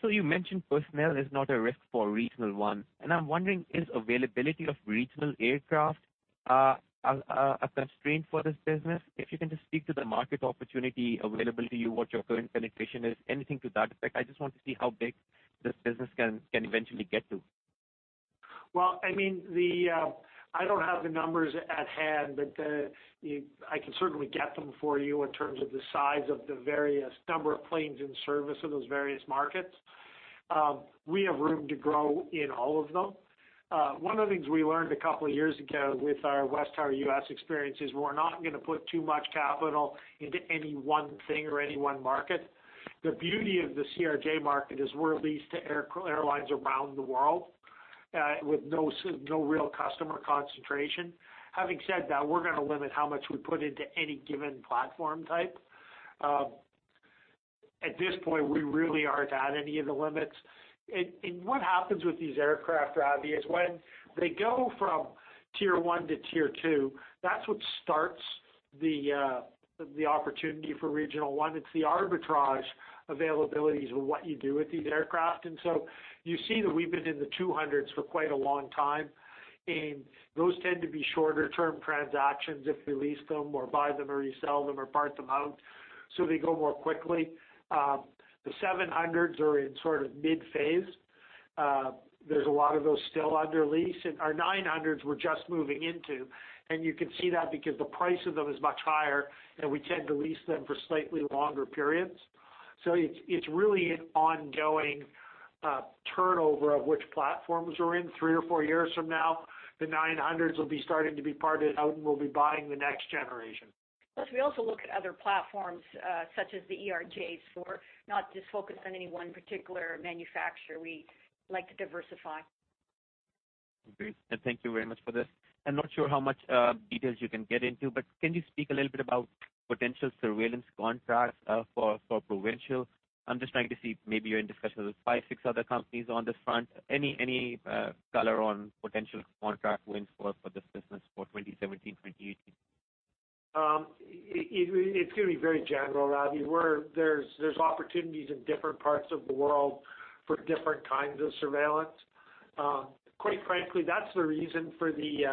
Speaker 8: You mentioned personnel is not a risk for Regional One, and I'm wondering, is availability of regional aircraft a constraint for this business? If you can just speak to the market opportunity available to you, what your current penetration is, anything to that effect? I just want to see how big this business can eventually get to.
Speaker 2: Well, I don't have the numbers at hand, but I can certainly get them for you in terms of the size of the various number of planes in service of those various markets. We have room to grow in all of them. One of the things we learned a couple of years ago with our WesTower U.S. experience is we're not going to put too much capital into any one thing or any one market. The beauty of the CRJ market is we're leased to airlines around the world with no real customer concentration. Having said that, we're going to limit how much we put into any given platform type. At this point, we really aren't at any of the limits. What happens with these aircraft, Ravi, is when they go from tier 1 to tier 2, that's what starts the opportunity for Regional One. It's the arbitrage availabilities with what you do with these aircraft. You see that we've been in the 200s for quite a long time, and those tend to be shorter-term transactions if we lease them or buy them or resell them or part them out. They go more quickly. The 700s are in sort of mid-phase. There's a lot of those still under lease. Our 900s we're just moving into, and you can see that because the price of them is much higher, and we tend to lease them for slightly longer periods. It's really an ongoing turnover of which platforms we're in. Three or four years from now, the 900s will be starting to be parted out, and we'll be buying the next generation.
Speaker 6: Plus, we also look at other platforms, such as the ERJs, for not just focused on any one particular manufacturer. We like to diversify.
Speaker 8: Great, thank you very much for this. I'm not sure how much details you can get into, but can you speak a little bit about potential surveillance contracts for Provincial? I'm just trying to see, maybe you're in discussions with five, six other companies on this front. Any color on potential contract wins for this business for 2017, 2018?
Speaker 2: It's going to be very general, Ravi. There's opportunities in different parts of the world for different kinds of surveillance. Quite frankly, that's the reason for the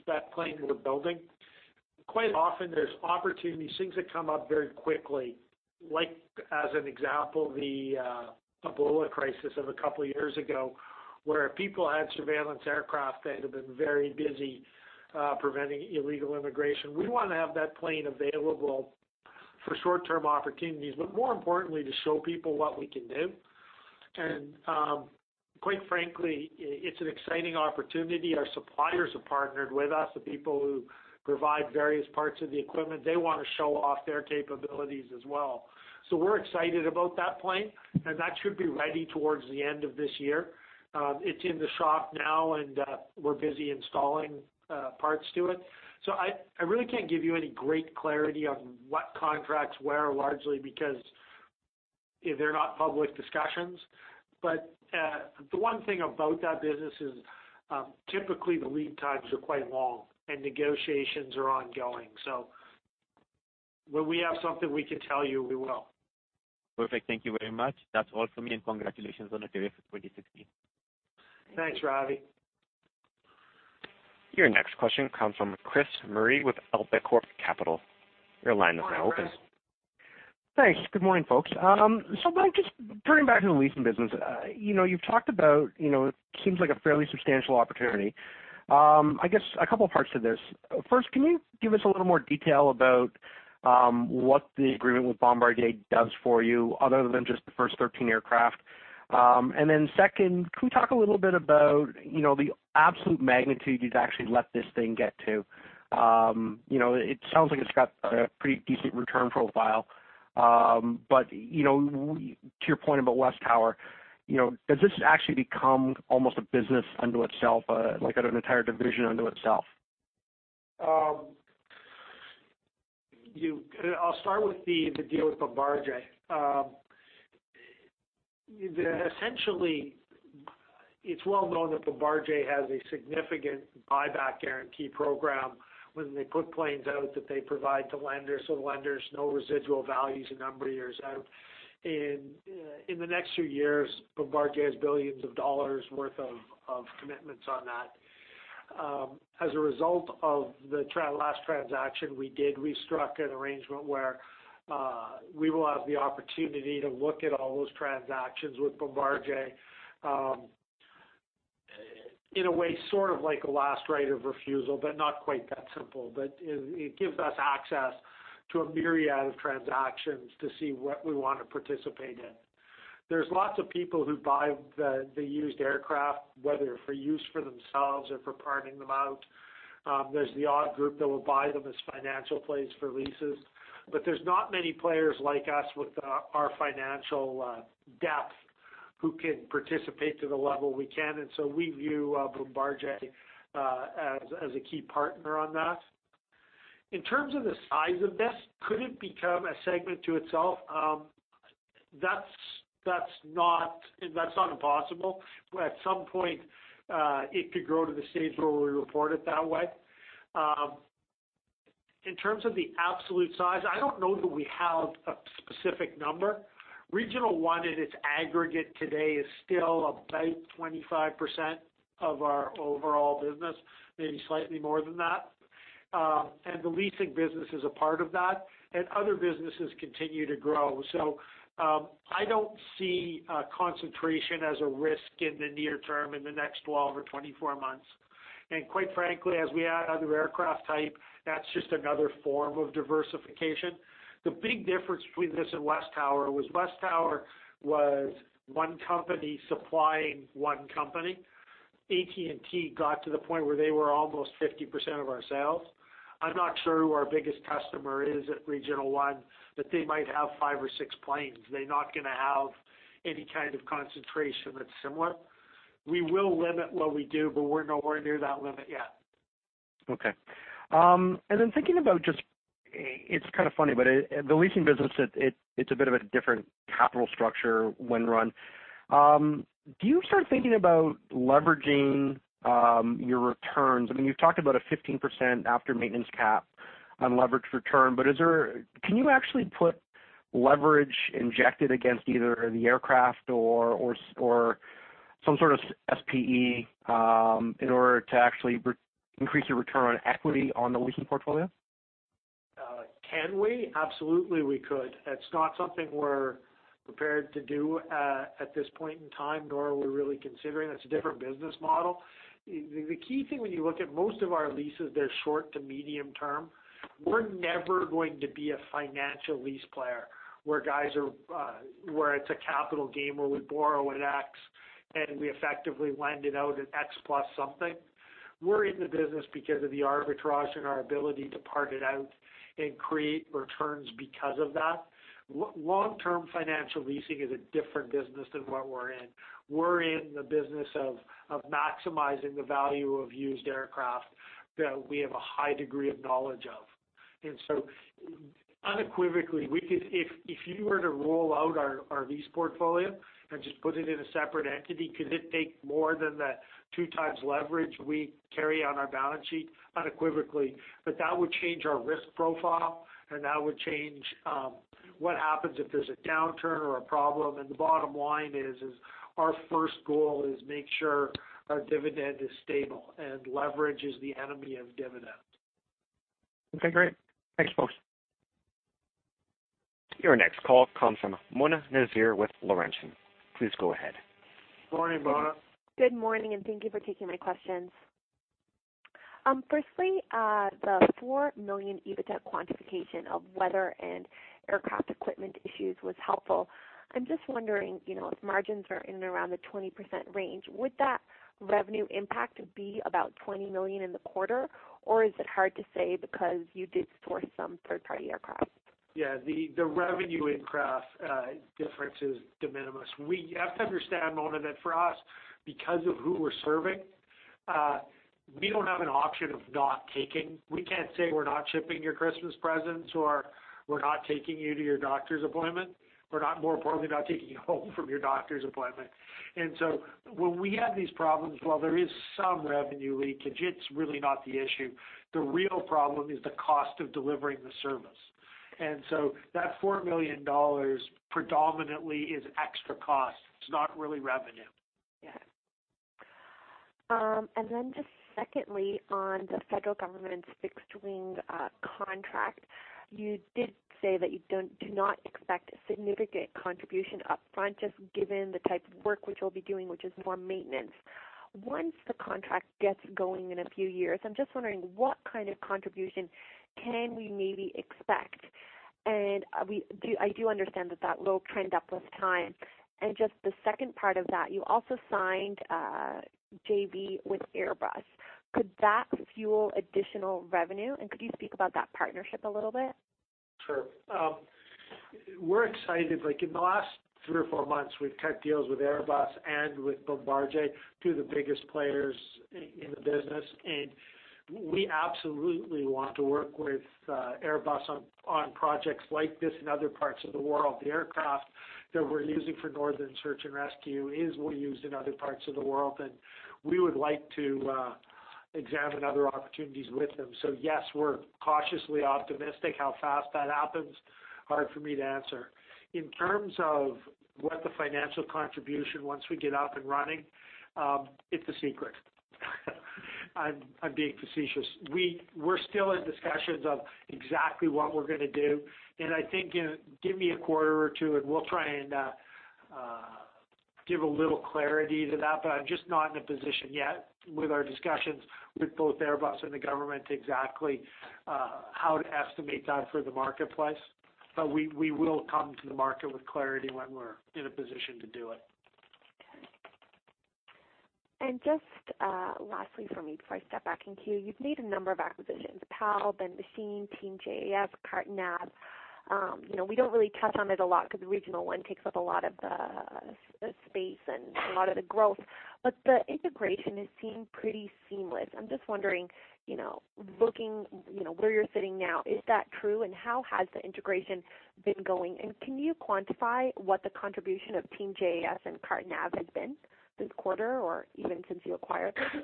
Speaker 2: spec plane we're building. Quite often, there's opportunities, things that come up very quickly, like as an example, the Ebola crisis of a couple of years ago, where people had surveillance aircraft that had been very busy preventing illegal immigration. We want to have that plane available for short-term opportunities, but more importantly, to show people what we can do. Quite frankly, it's an exciting opportunity. Our suppliers have partnered with us, the people who provide various parts of the equipment, they want to show off their capabilities as well. We're excited about that plane, and that should be ready towards the end of this year. It's in the shop now, we're busy installing parts to it. I really can't give you any great clarity on what contracts where, largely because they're not public discussions. The one thing about that business is, typically the lead times are quite long and negotiations are ongoing. When we have something we can tell you, we will.
Speaker 8: Perfect. Thank you very much. That's all for me, congratulations on the 2016.
Speaker 2: Thanks, Ravi.
Speaker 1: Your next question comes from Chris Murray with AltaCorp Capital. Your line is now open.
Speaker 9: Thanks. Good morning, folks. Mike, just turning back to the leasing business. You've talked about, it seems like a fairly substantial opportunity. I guess a couple of parts to this. First, can you give us a little more detail about what the agreement with Bombardier does for you other than just the first 13 aircraft? Second, can we talk a little bit about the absolute magnitude you've actually let this thing get to? It sounds like it's got a pretty decent return profile. To your point about WesTower Communications, does this actually become almost a business unto itself, like an entire division unto itself?
Speaker 2: I'll start with the deal with Bombardier. Essentially, it's well known that Bombardier has a significant buyback guarantee program when they put planes out that they provide to lenders, so the lenders know residual values a number of years out. In the next few years, Bombardier has billions dollars worth of commitments on that. As a result of the last transaction we did, we struck an arrangement where we will have the opportunity to look at all those transactions with Bombardier, in a way sort of like a last right of refusal, but not quite that simple. It gives us access to a myriad of transactions to see what we want to participate in. There's lots of people who buy the used aircraft, whether for use for themselves or for parting them out. There's the odd group that will buy them as financial plays for leases. There's not many players like us with our financial depth who can participate to the level we can, so we view Bombardier as a key partner on that. In terms of the size of this, could it become a segment to itself? That's not impossible. At some point, it could grow to the stage where we report it that way. In terms of the absolute size, I don't know that we have a specific number. Regional One in its aggregate today is still about 25% of our overall business, maybe slightly more than that. The leasing business is a part of that, and other businesses continue to grow. I don't see concentration as a risk in the near term in the next 12 or 24 months. Quite frankly, as we add other aircraft type, that's just another form of diversification. The big difference between this and WesTower Communications was WesTower Communications was one company supplying one company. AT&T got to the point where they were almost 50% of our sales. I'm not sure who our biggest customer is at Regional One, but they might have five or six planes. They're not going to have any kind of concentration that's similar. We will limit what we do, but we're nowhere near that limit yet.
Speaker 9: Okay. Thinking about just, it's kind of funny, but the leasing business, it's a bit of a different capital structure when run. Do you start thinking about leveraging your returns? I mean, you've talked about a 15% after maintenance cap on leverage return, but can you actually put leverage injected against either the aircraft or some sort of SPE in order to actually increase your return on equity on the leasing portfolio?
Speaker 2: Can we? Absolutely, we could. It's not something we're prepared to do at this point in time, nor are we really considering. It's a different business model. The key thing when you look at most of our leases, they're short to medium term. We're never going to be a financial lease player where it's a capital game where we borrow at X, and we effectively lend it out at X plus something. We're in the business because of the arbitrage and our ability to park it out and create returns because of that. Long-term financial leasing is a different business than what we're in. We're in the business of maximizing the value of used aircraft that we have a high degree of knowledge of. Unequivocally, if you were to roll out our lease portfolio and just put it in a separate entity, could it take more than the two times leverage we carry on our balance sheet? Unequivocally. That would change our risk profile and that would change what happens if there's a downturn or a problem. The bottom line is, our first goal is make sure our dividend is stable, and leverage is the enemy of dividend.
Speaker 9: Okay, great. Thanks, folks.
Speaker 1: Your next call comes from Mona Nazir with Laurentian. Please go ahead.
Speaker 2: Morning, Mona.
Speaker 10: Good morning, and thank you for taking my questions. Firstly, the 4 million EBITDA quantification of weather and aircraft equipment issues was helpful. I am just wondering, if margins are in and around the 20% range, would that revenue impact be about 20 million in the quarter, or is it hard to say because you did store some third party aircraft?
Speaker 2: Yeah, the revenue aircraft difference is de minimis. You have to understand, Mona, that for us, because of who we are serving, we do not have an option of not taking. We cannot say we are not shipping your Christmas presents or we are not taking you to your doctor's appointment. More importantly, not taking you home from your doctor's appointment. So when we have these problems, while there is some revenue leakage, it is really not the issue. The real problem is the cost of delivering the service. So that 4 million dollars predominantly is extra cost. It is not really revenue.
Speaker 10: Yeah. Secondly, on the federal government's fixed wing contract, you did say that you do not expect a significant contribution up front, just given the type of work which you will be doing, which is more maintenance. Once the contract gets going in a few years, I am just wondering what kind of contribution can we maybe expect? I do understand that that will trend up with time. Just the second part of that, you also signed a JV with Airbus. Could that fuel additional revenue, and could you speak about that partnership a little bit?
Speaker 2: Sure. We are excited. In the last three or four months, we have cut deals with Airbus and with Bombardier, two of the biggest players in the business. We absolutely want to work with Airbus on projects like this in other parts of the world. The aircraft that we are using for Northern Search and Rescue is well used in other parts of the world, and we would like to examine other opportunities with them. Yes, we are cautiously optimistic. How fast that happens, hard for me to answer. In terms of what the financial contribution once we get up and running, it is a secret. I am being facetious. We are still in discussions of exactly what we are going to do, and I think, give me a quarter or two and we will try and give a little clarity to that. I'm just not in a position yet with our discussions with both Airbus and the government exactly how to estimate that for the marketplace. We will come to the market with clarity when we're in a position to do it.
Speaker 10: Okay. Just lastly from me before I step back in queue, you've made a number of acquisitions, PAL, Ben Machine, Team JAS, CarteNav. We don't really touch on it a lot because Regional One takes up a lot of the space and a lot of the growth, the integration has seemed pretty seamless. I'm just wondering, looking where you're sitting now, is that true, and how has the integration been going? Can you quantify what the contribution of Team JAS and CarteNav has been this quarter or even since you acquired them?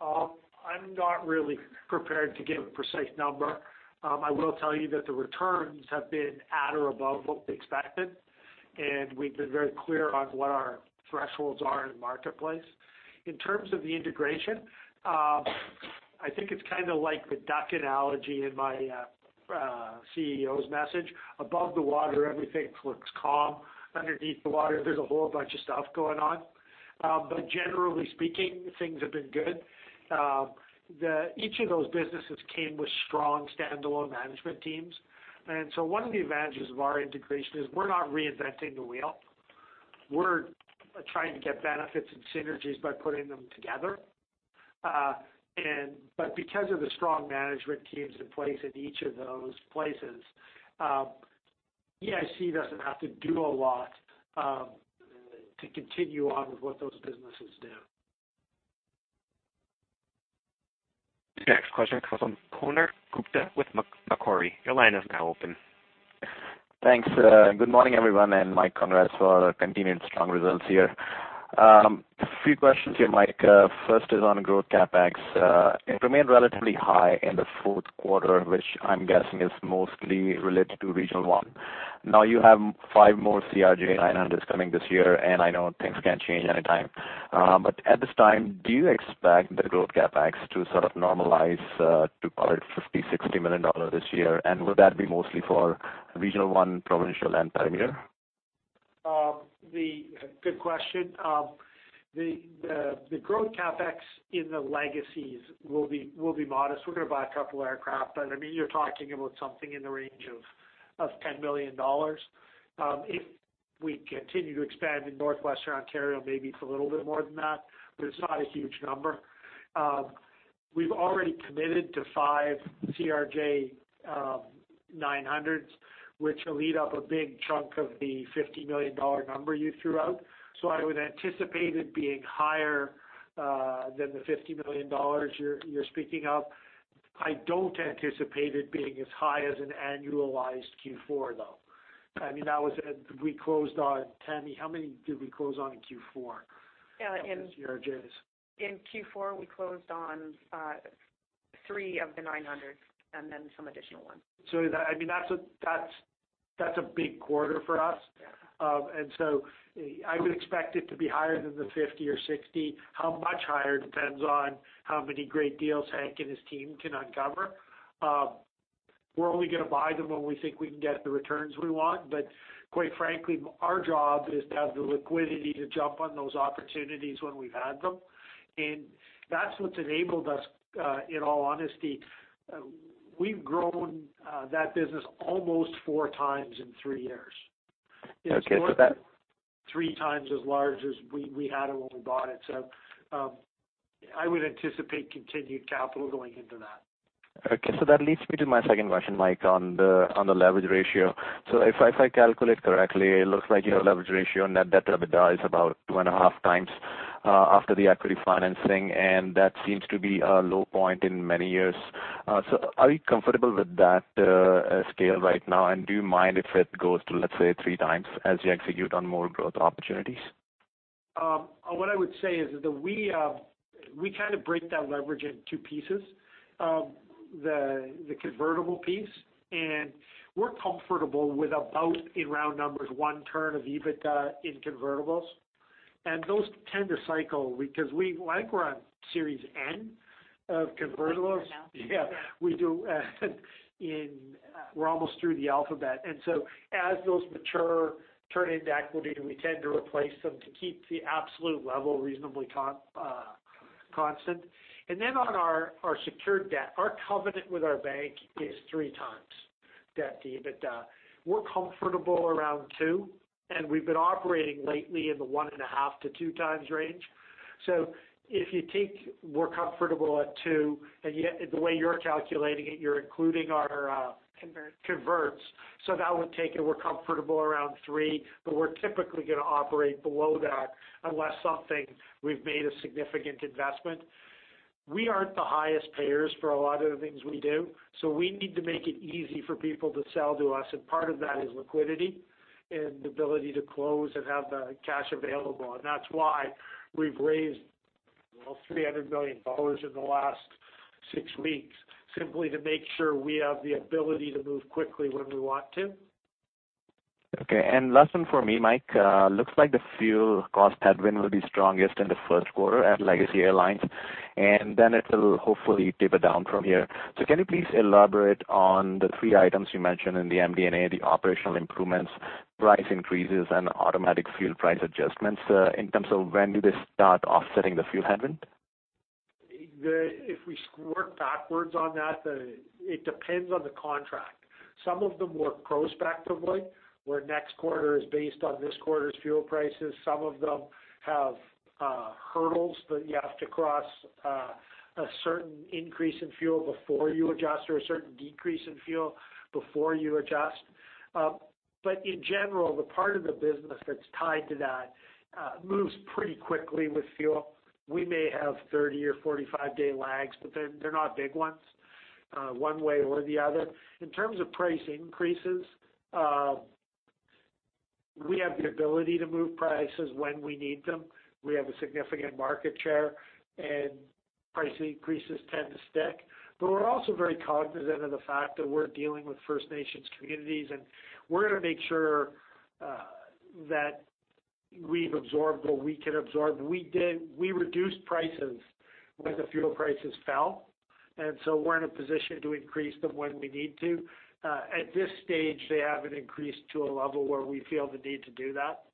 Speaker 2: I'm not really prepared to give a precise number. I will tell you that the returns have been at or above what we expected, we've been very clear on what our thresholds are in the marketplace. In terms of the integration, I think it's like the duck analogy in my CEO's message. Above the water, everything looks calm. Underneath the water, there's a whole bunch of stuff going on. Generally speaking, things have been good. Each of those businesses came with strong standalone management teams. One of the advantages of our integration is we're not reinventing the wheel. We're trying to get benefits and synergies by putting them together. Because of the strong management teams in place in each of those places, EIC doesn't have to do a lot to continue on with what those businesses do.
Speaker 1: The next question comes from Konark Gupta with Macquarie. Your line is now open.
Speaker 11: Thanks. Good morning, everyone. Mike Pyle, congrats for continued strong results here. A few questions here, Mike Pyle. First is on growth CapEx. It remained relatively high in the fourth quarter, which I'm guessing is mostly related to Regional One. You have five more CRJ900s coming this year, and I know things can change any time. At this time, do you expect the growth CapEx to sort of normalize to about 50 million-60 million dollars this year? Would that be mostly for Regional One, Provincial and Perimeter?
Speaker 2: Good question. The growth CapEx in the legacies will be modest. We're going to buy a couple aircraft, but you're talking about something in the range of 10 million dollars. We continue to expand in Northwestern Ontario, maybe it's a little bit more than that, but it's not a huge number. We've already committed to five CRJ900s, which will eat up a big chunk of the 50 million dollar number you threw out. I would anticipate it being higher than the 50 million dollars you're speaking of. I don't anticipate it being as high as an annualized Q4, though. Tamara, how many did we close on in Q4 of those CRJs? In Q4, we closed on three of the 900s and then some additional ones. That's a big quarter for us. Yeah. I would expect it to be higher than the 50 or 60. How much higher depends on how many great deals Hank Gibson and his team can uncover. We're only going to buy them when we think we can get the returns we want. Quite frankly, our job is to have the liquidity to jump on those opportunities when we've had them, and that's what's enabled us, in all honesty. We've grown that business almost four times in three years.
Speaker 11: Okay, that.
Speaker 2: It's more than three times as large as we had it when we bought it. I would anticipate continued capital going into that.
Speaker 11: Okay, that leads me to my second question, Mike, on the leverage ratio. If I calculate correctly, it looks like your leverage ratio, net debt to EBITDA, is about two and a half times after the equity financing, and that seems to be a low point in many years. Are you comfortable with that scale right now? Do you mind if it goes to, let's say, three times as you execute on more growth opportunities?
Speaker 2: What I would say is that we kind of break that leverage in two pieces. The convertible piece, we're comfortable with about, in round numbers, one turn of EBITDA in convertibles. Those tend to cycle because I think we're on Series N of convertibles. I think we are now. Yeah, we do. We're almost through the alphabet. As those mature, turn into equity, we tend to replace them to keep the absolute level reasonably constant. Then on our secured debt, our covenant with our bank is three times debt to EBITDA. We're comfortable around two, and we've been operating lately in the one and a half to two times range. If you take, we're comfortable at two, and yet the way you're calculating it, you're including our Converts. That would take it, we're comfortable around three, we're typically going to operate below that unless something we've made a significant investment. We aren't the highest payers for a lot of the things we do, we need to make it easy for people to sell to us, and part of that is liquidity and the ability to close and have the cash available. That's why we've raised almost 300 million dollars in the last six weeks, simply to make sure we have the ability to move quickly when we want to.
Speaker 11: Last one for me, Mike. Looks like the fuel cost headwind will be strongest in the first quarter at Legacy Airlines, then it'll hopefully taper down from here. Can you please elaborate on the three items you mentioned in the MD&A, the operational improvements, price increases, and automatic fuel price adjustments, in terms of when do they start offsetting the fuel headwind?
Speaker 2: If we work backwards on that, it depends on the contract. Some of them work prospectively, where next quarter is based on this quarter's fuel prices. Some of them have hurdles that you have to cross a certain increase in fuel before you adjust, or a certain decrease in fuel before you adjust. In general, the part of the business that's tied to that moves pretty quickly with fuel. We may have 30 or 45-day lags, but they're not big ones, one way or the other. In terms of price increases, we have the ability to move prices when we need them. We have a significant market share and price increases tend to stick. We're also very cognizant of the fact that we're dealing with First Nations communities, and we're going to make sure that we've absorbed what we can absorb. We reduced prices when the fuel prices fell, and so we're in a position to increase them when we need to. At this stage, they haven't increased to a level where we feel the need to do that.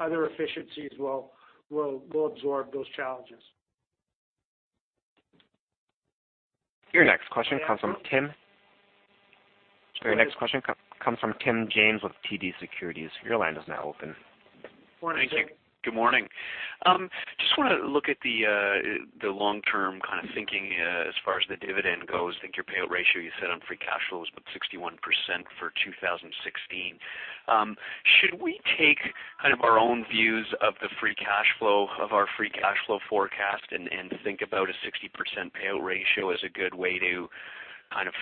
Speaker 2: Other efficiencies will absorb those challenges.
Speaker 1: Your next question comes from Tim.
Speaker 2: Go ahead.
Speaker 1: Your next question comes from Tim James with TD Securities. Your line is now open.
Speaker 2: Morning, Tim.
Speaker 12: Thank you. Good morning. Just want to look at the long-term kind of thinking as far as the dividend goes. I think your payout ratio you said on free cash flow was about 61% for 2016. Should we take kind of our own views of the free cash flow, of our free cash flow forecast and think about a 60% payout ratio as a good way to kind of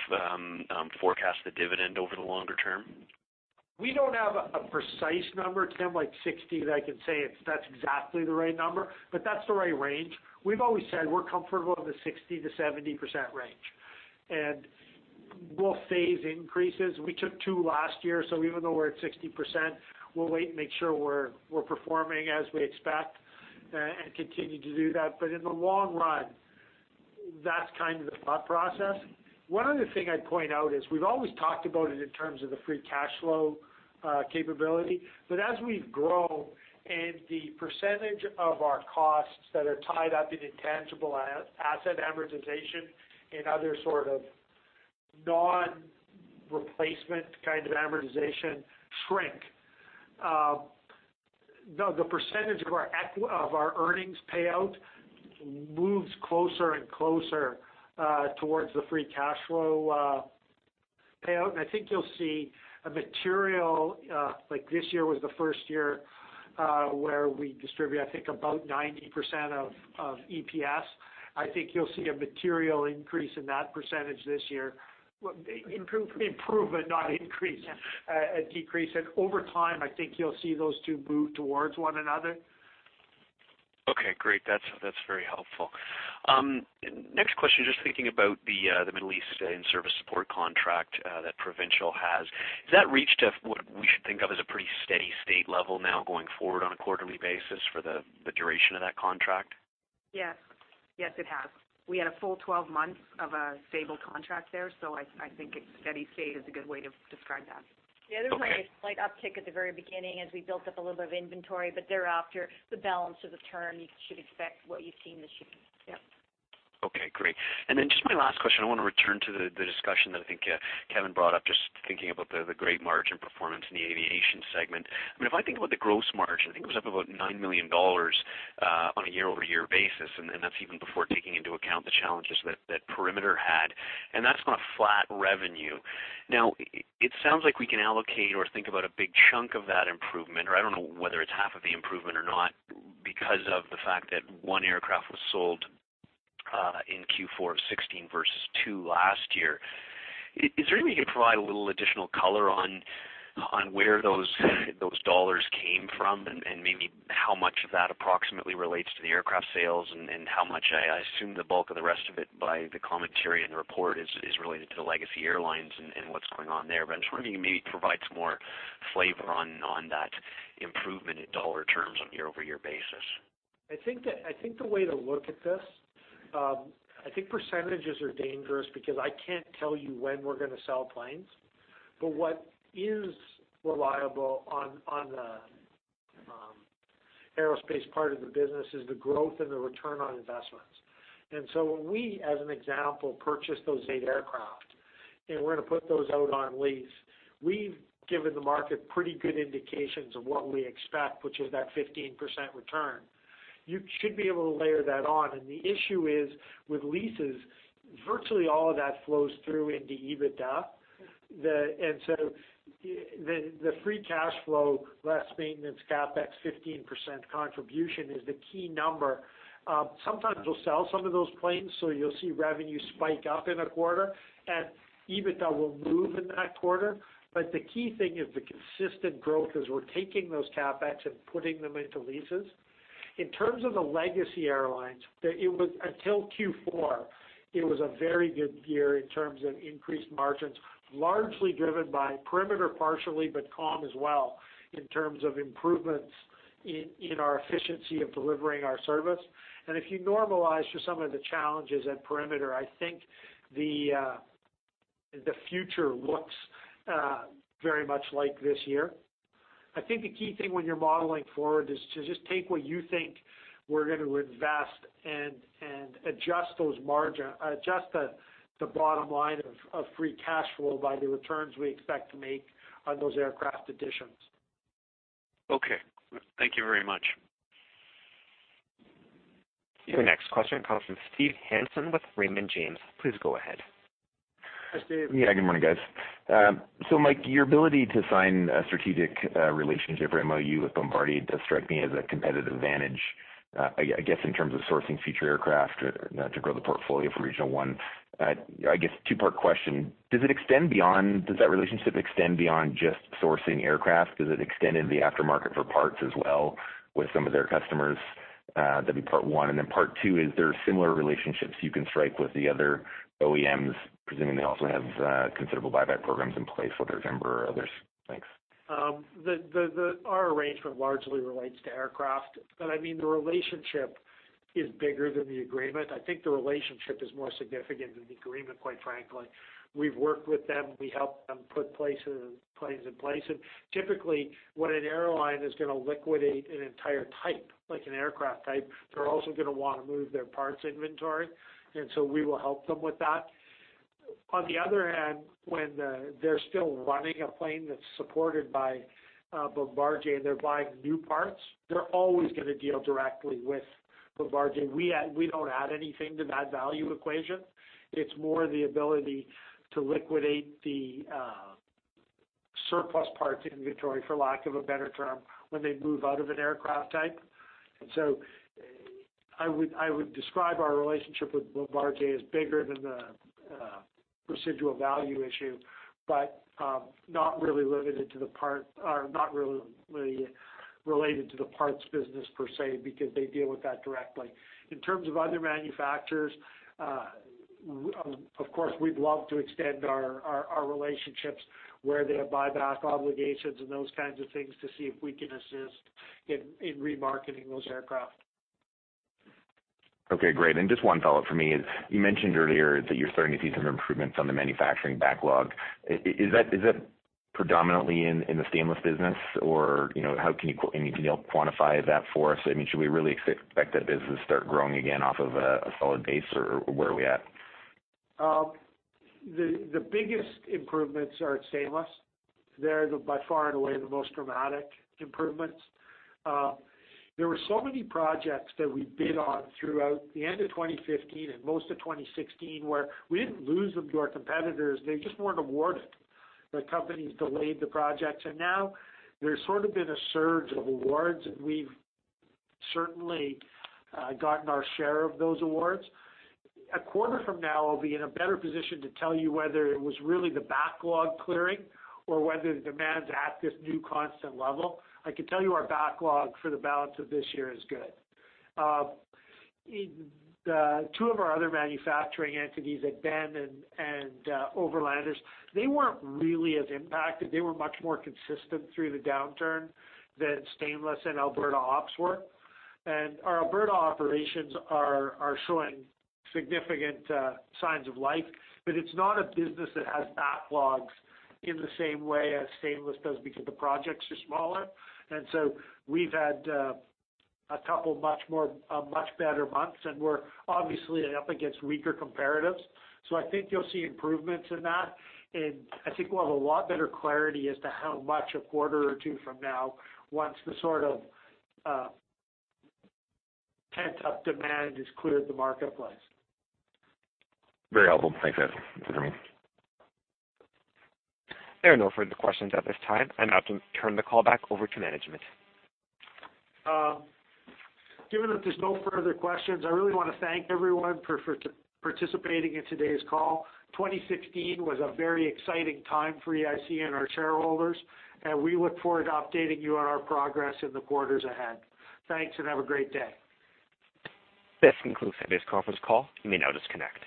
Speaker 12: forecast the dividend over the longer term?
Speaker 2: We don't have a precise number, Tim, like 60, that I can say that's exactly the right number, but that's the right range. We've always said we're comfortable in the 60%-70% range, and we'll phase increases. We took two last year, so even though we're at 60%, we'll wait and make sure we're performing as we expect and continue to do that. In the long run, that's kind of the thought process. One other thing I'd point out is we've always talked about it in terms of the free cash flow capability, but as we grow and the percentage of our costs that are tied up in intangible asset amortization and other sort of Non-replacement kind of amortization shrink. The percentage of our earnings payout moves closer and closer towards the free cash flow payout. I think you'll see a material, like this year was the first year, where we distribute, I think about 90% of EPS. I think you'll see a material increase in that percentage this year.
Speaker 3: Improve? Improve and not increase. Yeah. A decrease. Over time, I think you'll see those two move towards one another.
Speaker 12: Okay, great. That's very helpful. Next question, just thinking about the Middle East in-service support contract that Provincial has. Has that reached what we should think of as a pretty steady state level now going forward on a quarterly basis for the duration of that contract?
Speaker 6: Yes. Yes, it has. We had a full 12 months of a stable contract there. I think steady state is a good way to describe that.
Speaker 12: Okay.
Speaker 6: Yeah, there was a slight uptick at the very beginning as we built up a little bit of inventory. Thereafter, the balance of the term, you should expect what you've seen this year.
Speaker 12: Okay, great. Just my last question, I want to return to the discussion that I think Kevin brought up, just thinking about the great margin performance in the aviation segment. If I think about the gross margin, I think it was up about 9 million dollars on a year-over-year basis. That's even before taking into account the challenges that Perimeter had. That's on a flat revenue. It sounds like we can allocate or think about a big chunk of that improvement, or I don't know whether it's half of the improvement or not, because of the fact that one aircraft was sold in Q4 of 2016 versus two last year. Is there any way you can provide a little additional color on where those CAD came from and maybe how much of that approximately relates to the aircraft sales and how much, I assume the bulk of the rest of it by the commentary in the report is related to the legacy airlines and what's going on there. I'm just wondering if you can maybe provide some more flavor on that improvement in CAD terms on a year-over-year basis.
Speaker 2: I think the way to look at this, I think percentages are dangerous because I can't tell you when we're going to sell planes. What is reliable on the aerospace part of the business is the growth and the return on investments. When we, as an example, purchase those eight aircraft and we're going to put those out on lease, we've given the market pretty good indications of what we expect, which is that 15% return. You should be able to layer that on. The issue is with leases, virtually all of that flows through into EBITDA. The free cash flow less maintenance CapEx 15% contribution is the key number. Sometimes we'll sell some of those planes, so you'll see revenue spike up in a quarter and EBITDA will move in that quarter. The key thing is the consistent growth as we're taking those CapEx and putting them into leases. In terms of the legacy airlines, until Q4, it was a very good year in terms of increased margins, largely driven by Perimeter partially, Calm Air as well, in terms of improvements in our efficiency of delivering our service. If you normalize for some of the challenges at Perimeter, I think the future looks very much like this year. I think the key thing when you're modeling forward is to just take what you think we're going to invest and adjust the bottom line of free cash flow by the returns we expect to make on those aircraft additions.
Speaker 12: Okay. Thank you very much.
Speaker 1: The next question comes from Steve Hansen with Raymond James. Please go ahead.
Speaker 2: Hi, Steve.
Speaker 13: Good morning, guys. Mike, your ability to sign a strategic relationship or MOU with Bombardier does strike me as a competitive advantage, I guess, in terms of sourcing future aircraft to grow the portfolio for Regional One. I guess two-part question. Does that relationship extend beyond just sourcing aircraft? Does it extend into the aftermarket for parts as well with some of their customers? That'd be part one. Part two, is there similar relationships you can strike with the other OEMs, presuming they also have considerable buyback programs in place, whether it's Embraer or others? Thanks.
Speaker 2: Our arrangement largely relates to aircraft, the relationship is bigger than the agreement. I think the relationship is more significant than the agreement, quite frankly. We've worked with them. We helped them put planes in place. Typically, when an airline is going to liquidate an entire type, like an aircraft type, they're also going to want to move their parts inventory, so we will help them with that. On the other hand, when they're still running a plane that's supported by Bombardier and they're buying new parts, they're always going to deal directly with Bombardier. We don't add anything to that value equation. It's more the ability to liquidate the surplus parts inventory, for lack of a better term, when they move out of an aircraft type. I would describe our relationship with Bombardier as bigger than the residual value issue, but not really related to the parts business per se, because they deal with that directly. In terms of other manufacturers, of course, we'd love to extend our relationships where they have buyback obligations and those kinds of things to see if we can assist in remarketing those aircraft.
Speaker 13: Okay, great. Just one follow-up for me is, you mentioned earlier that you're starting to see some improvements on the manufacturing backlog. Predominantly in the Stainless business? Or can you help quantify that for us? Should we really expect that business to start growing again off of a solid base, or where are we at?
Speaker 2: The biggest improvements are at Stainless. They're by far and away the most dramatic improvements. There were so many projects that we bid on throughout the end of 2015 and most of 2016, where we didn't lose them to our competitors, they just weren't awarded. The companies delayed the projects, now there's sort of been a surge of awards, and we've certainly gotten our share of those awards. A quarter from now, I'll be in a better position to tell you whether it was really the backlog clearing or whether the demand's at this new constant level. I can tell you our backlog for the balance of this year is good. In two of our other manufacturing entities at Ben and Overlanders, they weren't really as impacted. They were much more consistent through the downturn than Stainless and Alberta Ops were. Our Alberta Operations are showing significant signs of life, but it's not a business that has backlogs in the same way as Stainless does because the projects are smaller. We've had a couple much better months, and we're obviously up against weaker comparatives. I think you'll see improvements in that. I think we'll have a lot better clarity as to how much a quarter or two from now once the sort of pent-up demand has cleared the marketplace.
Speaker 13: Very helpful. Thanks, Mike.
Speaker 1: There are no further questions at this time. I'd now turn the call back over to management.
Speaker 2: Given that there's no further questions, I really want to thank everyone for participating in today's call. 2016 was a very exciting time for EIC and our shareholders, and we look forward to updating you on our progress in the quarters ahead. Thanks, and have a great day.
Speaker 1: This concludes today's conference call. You may now disconnect.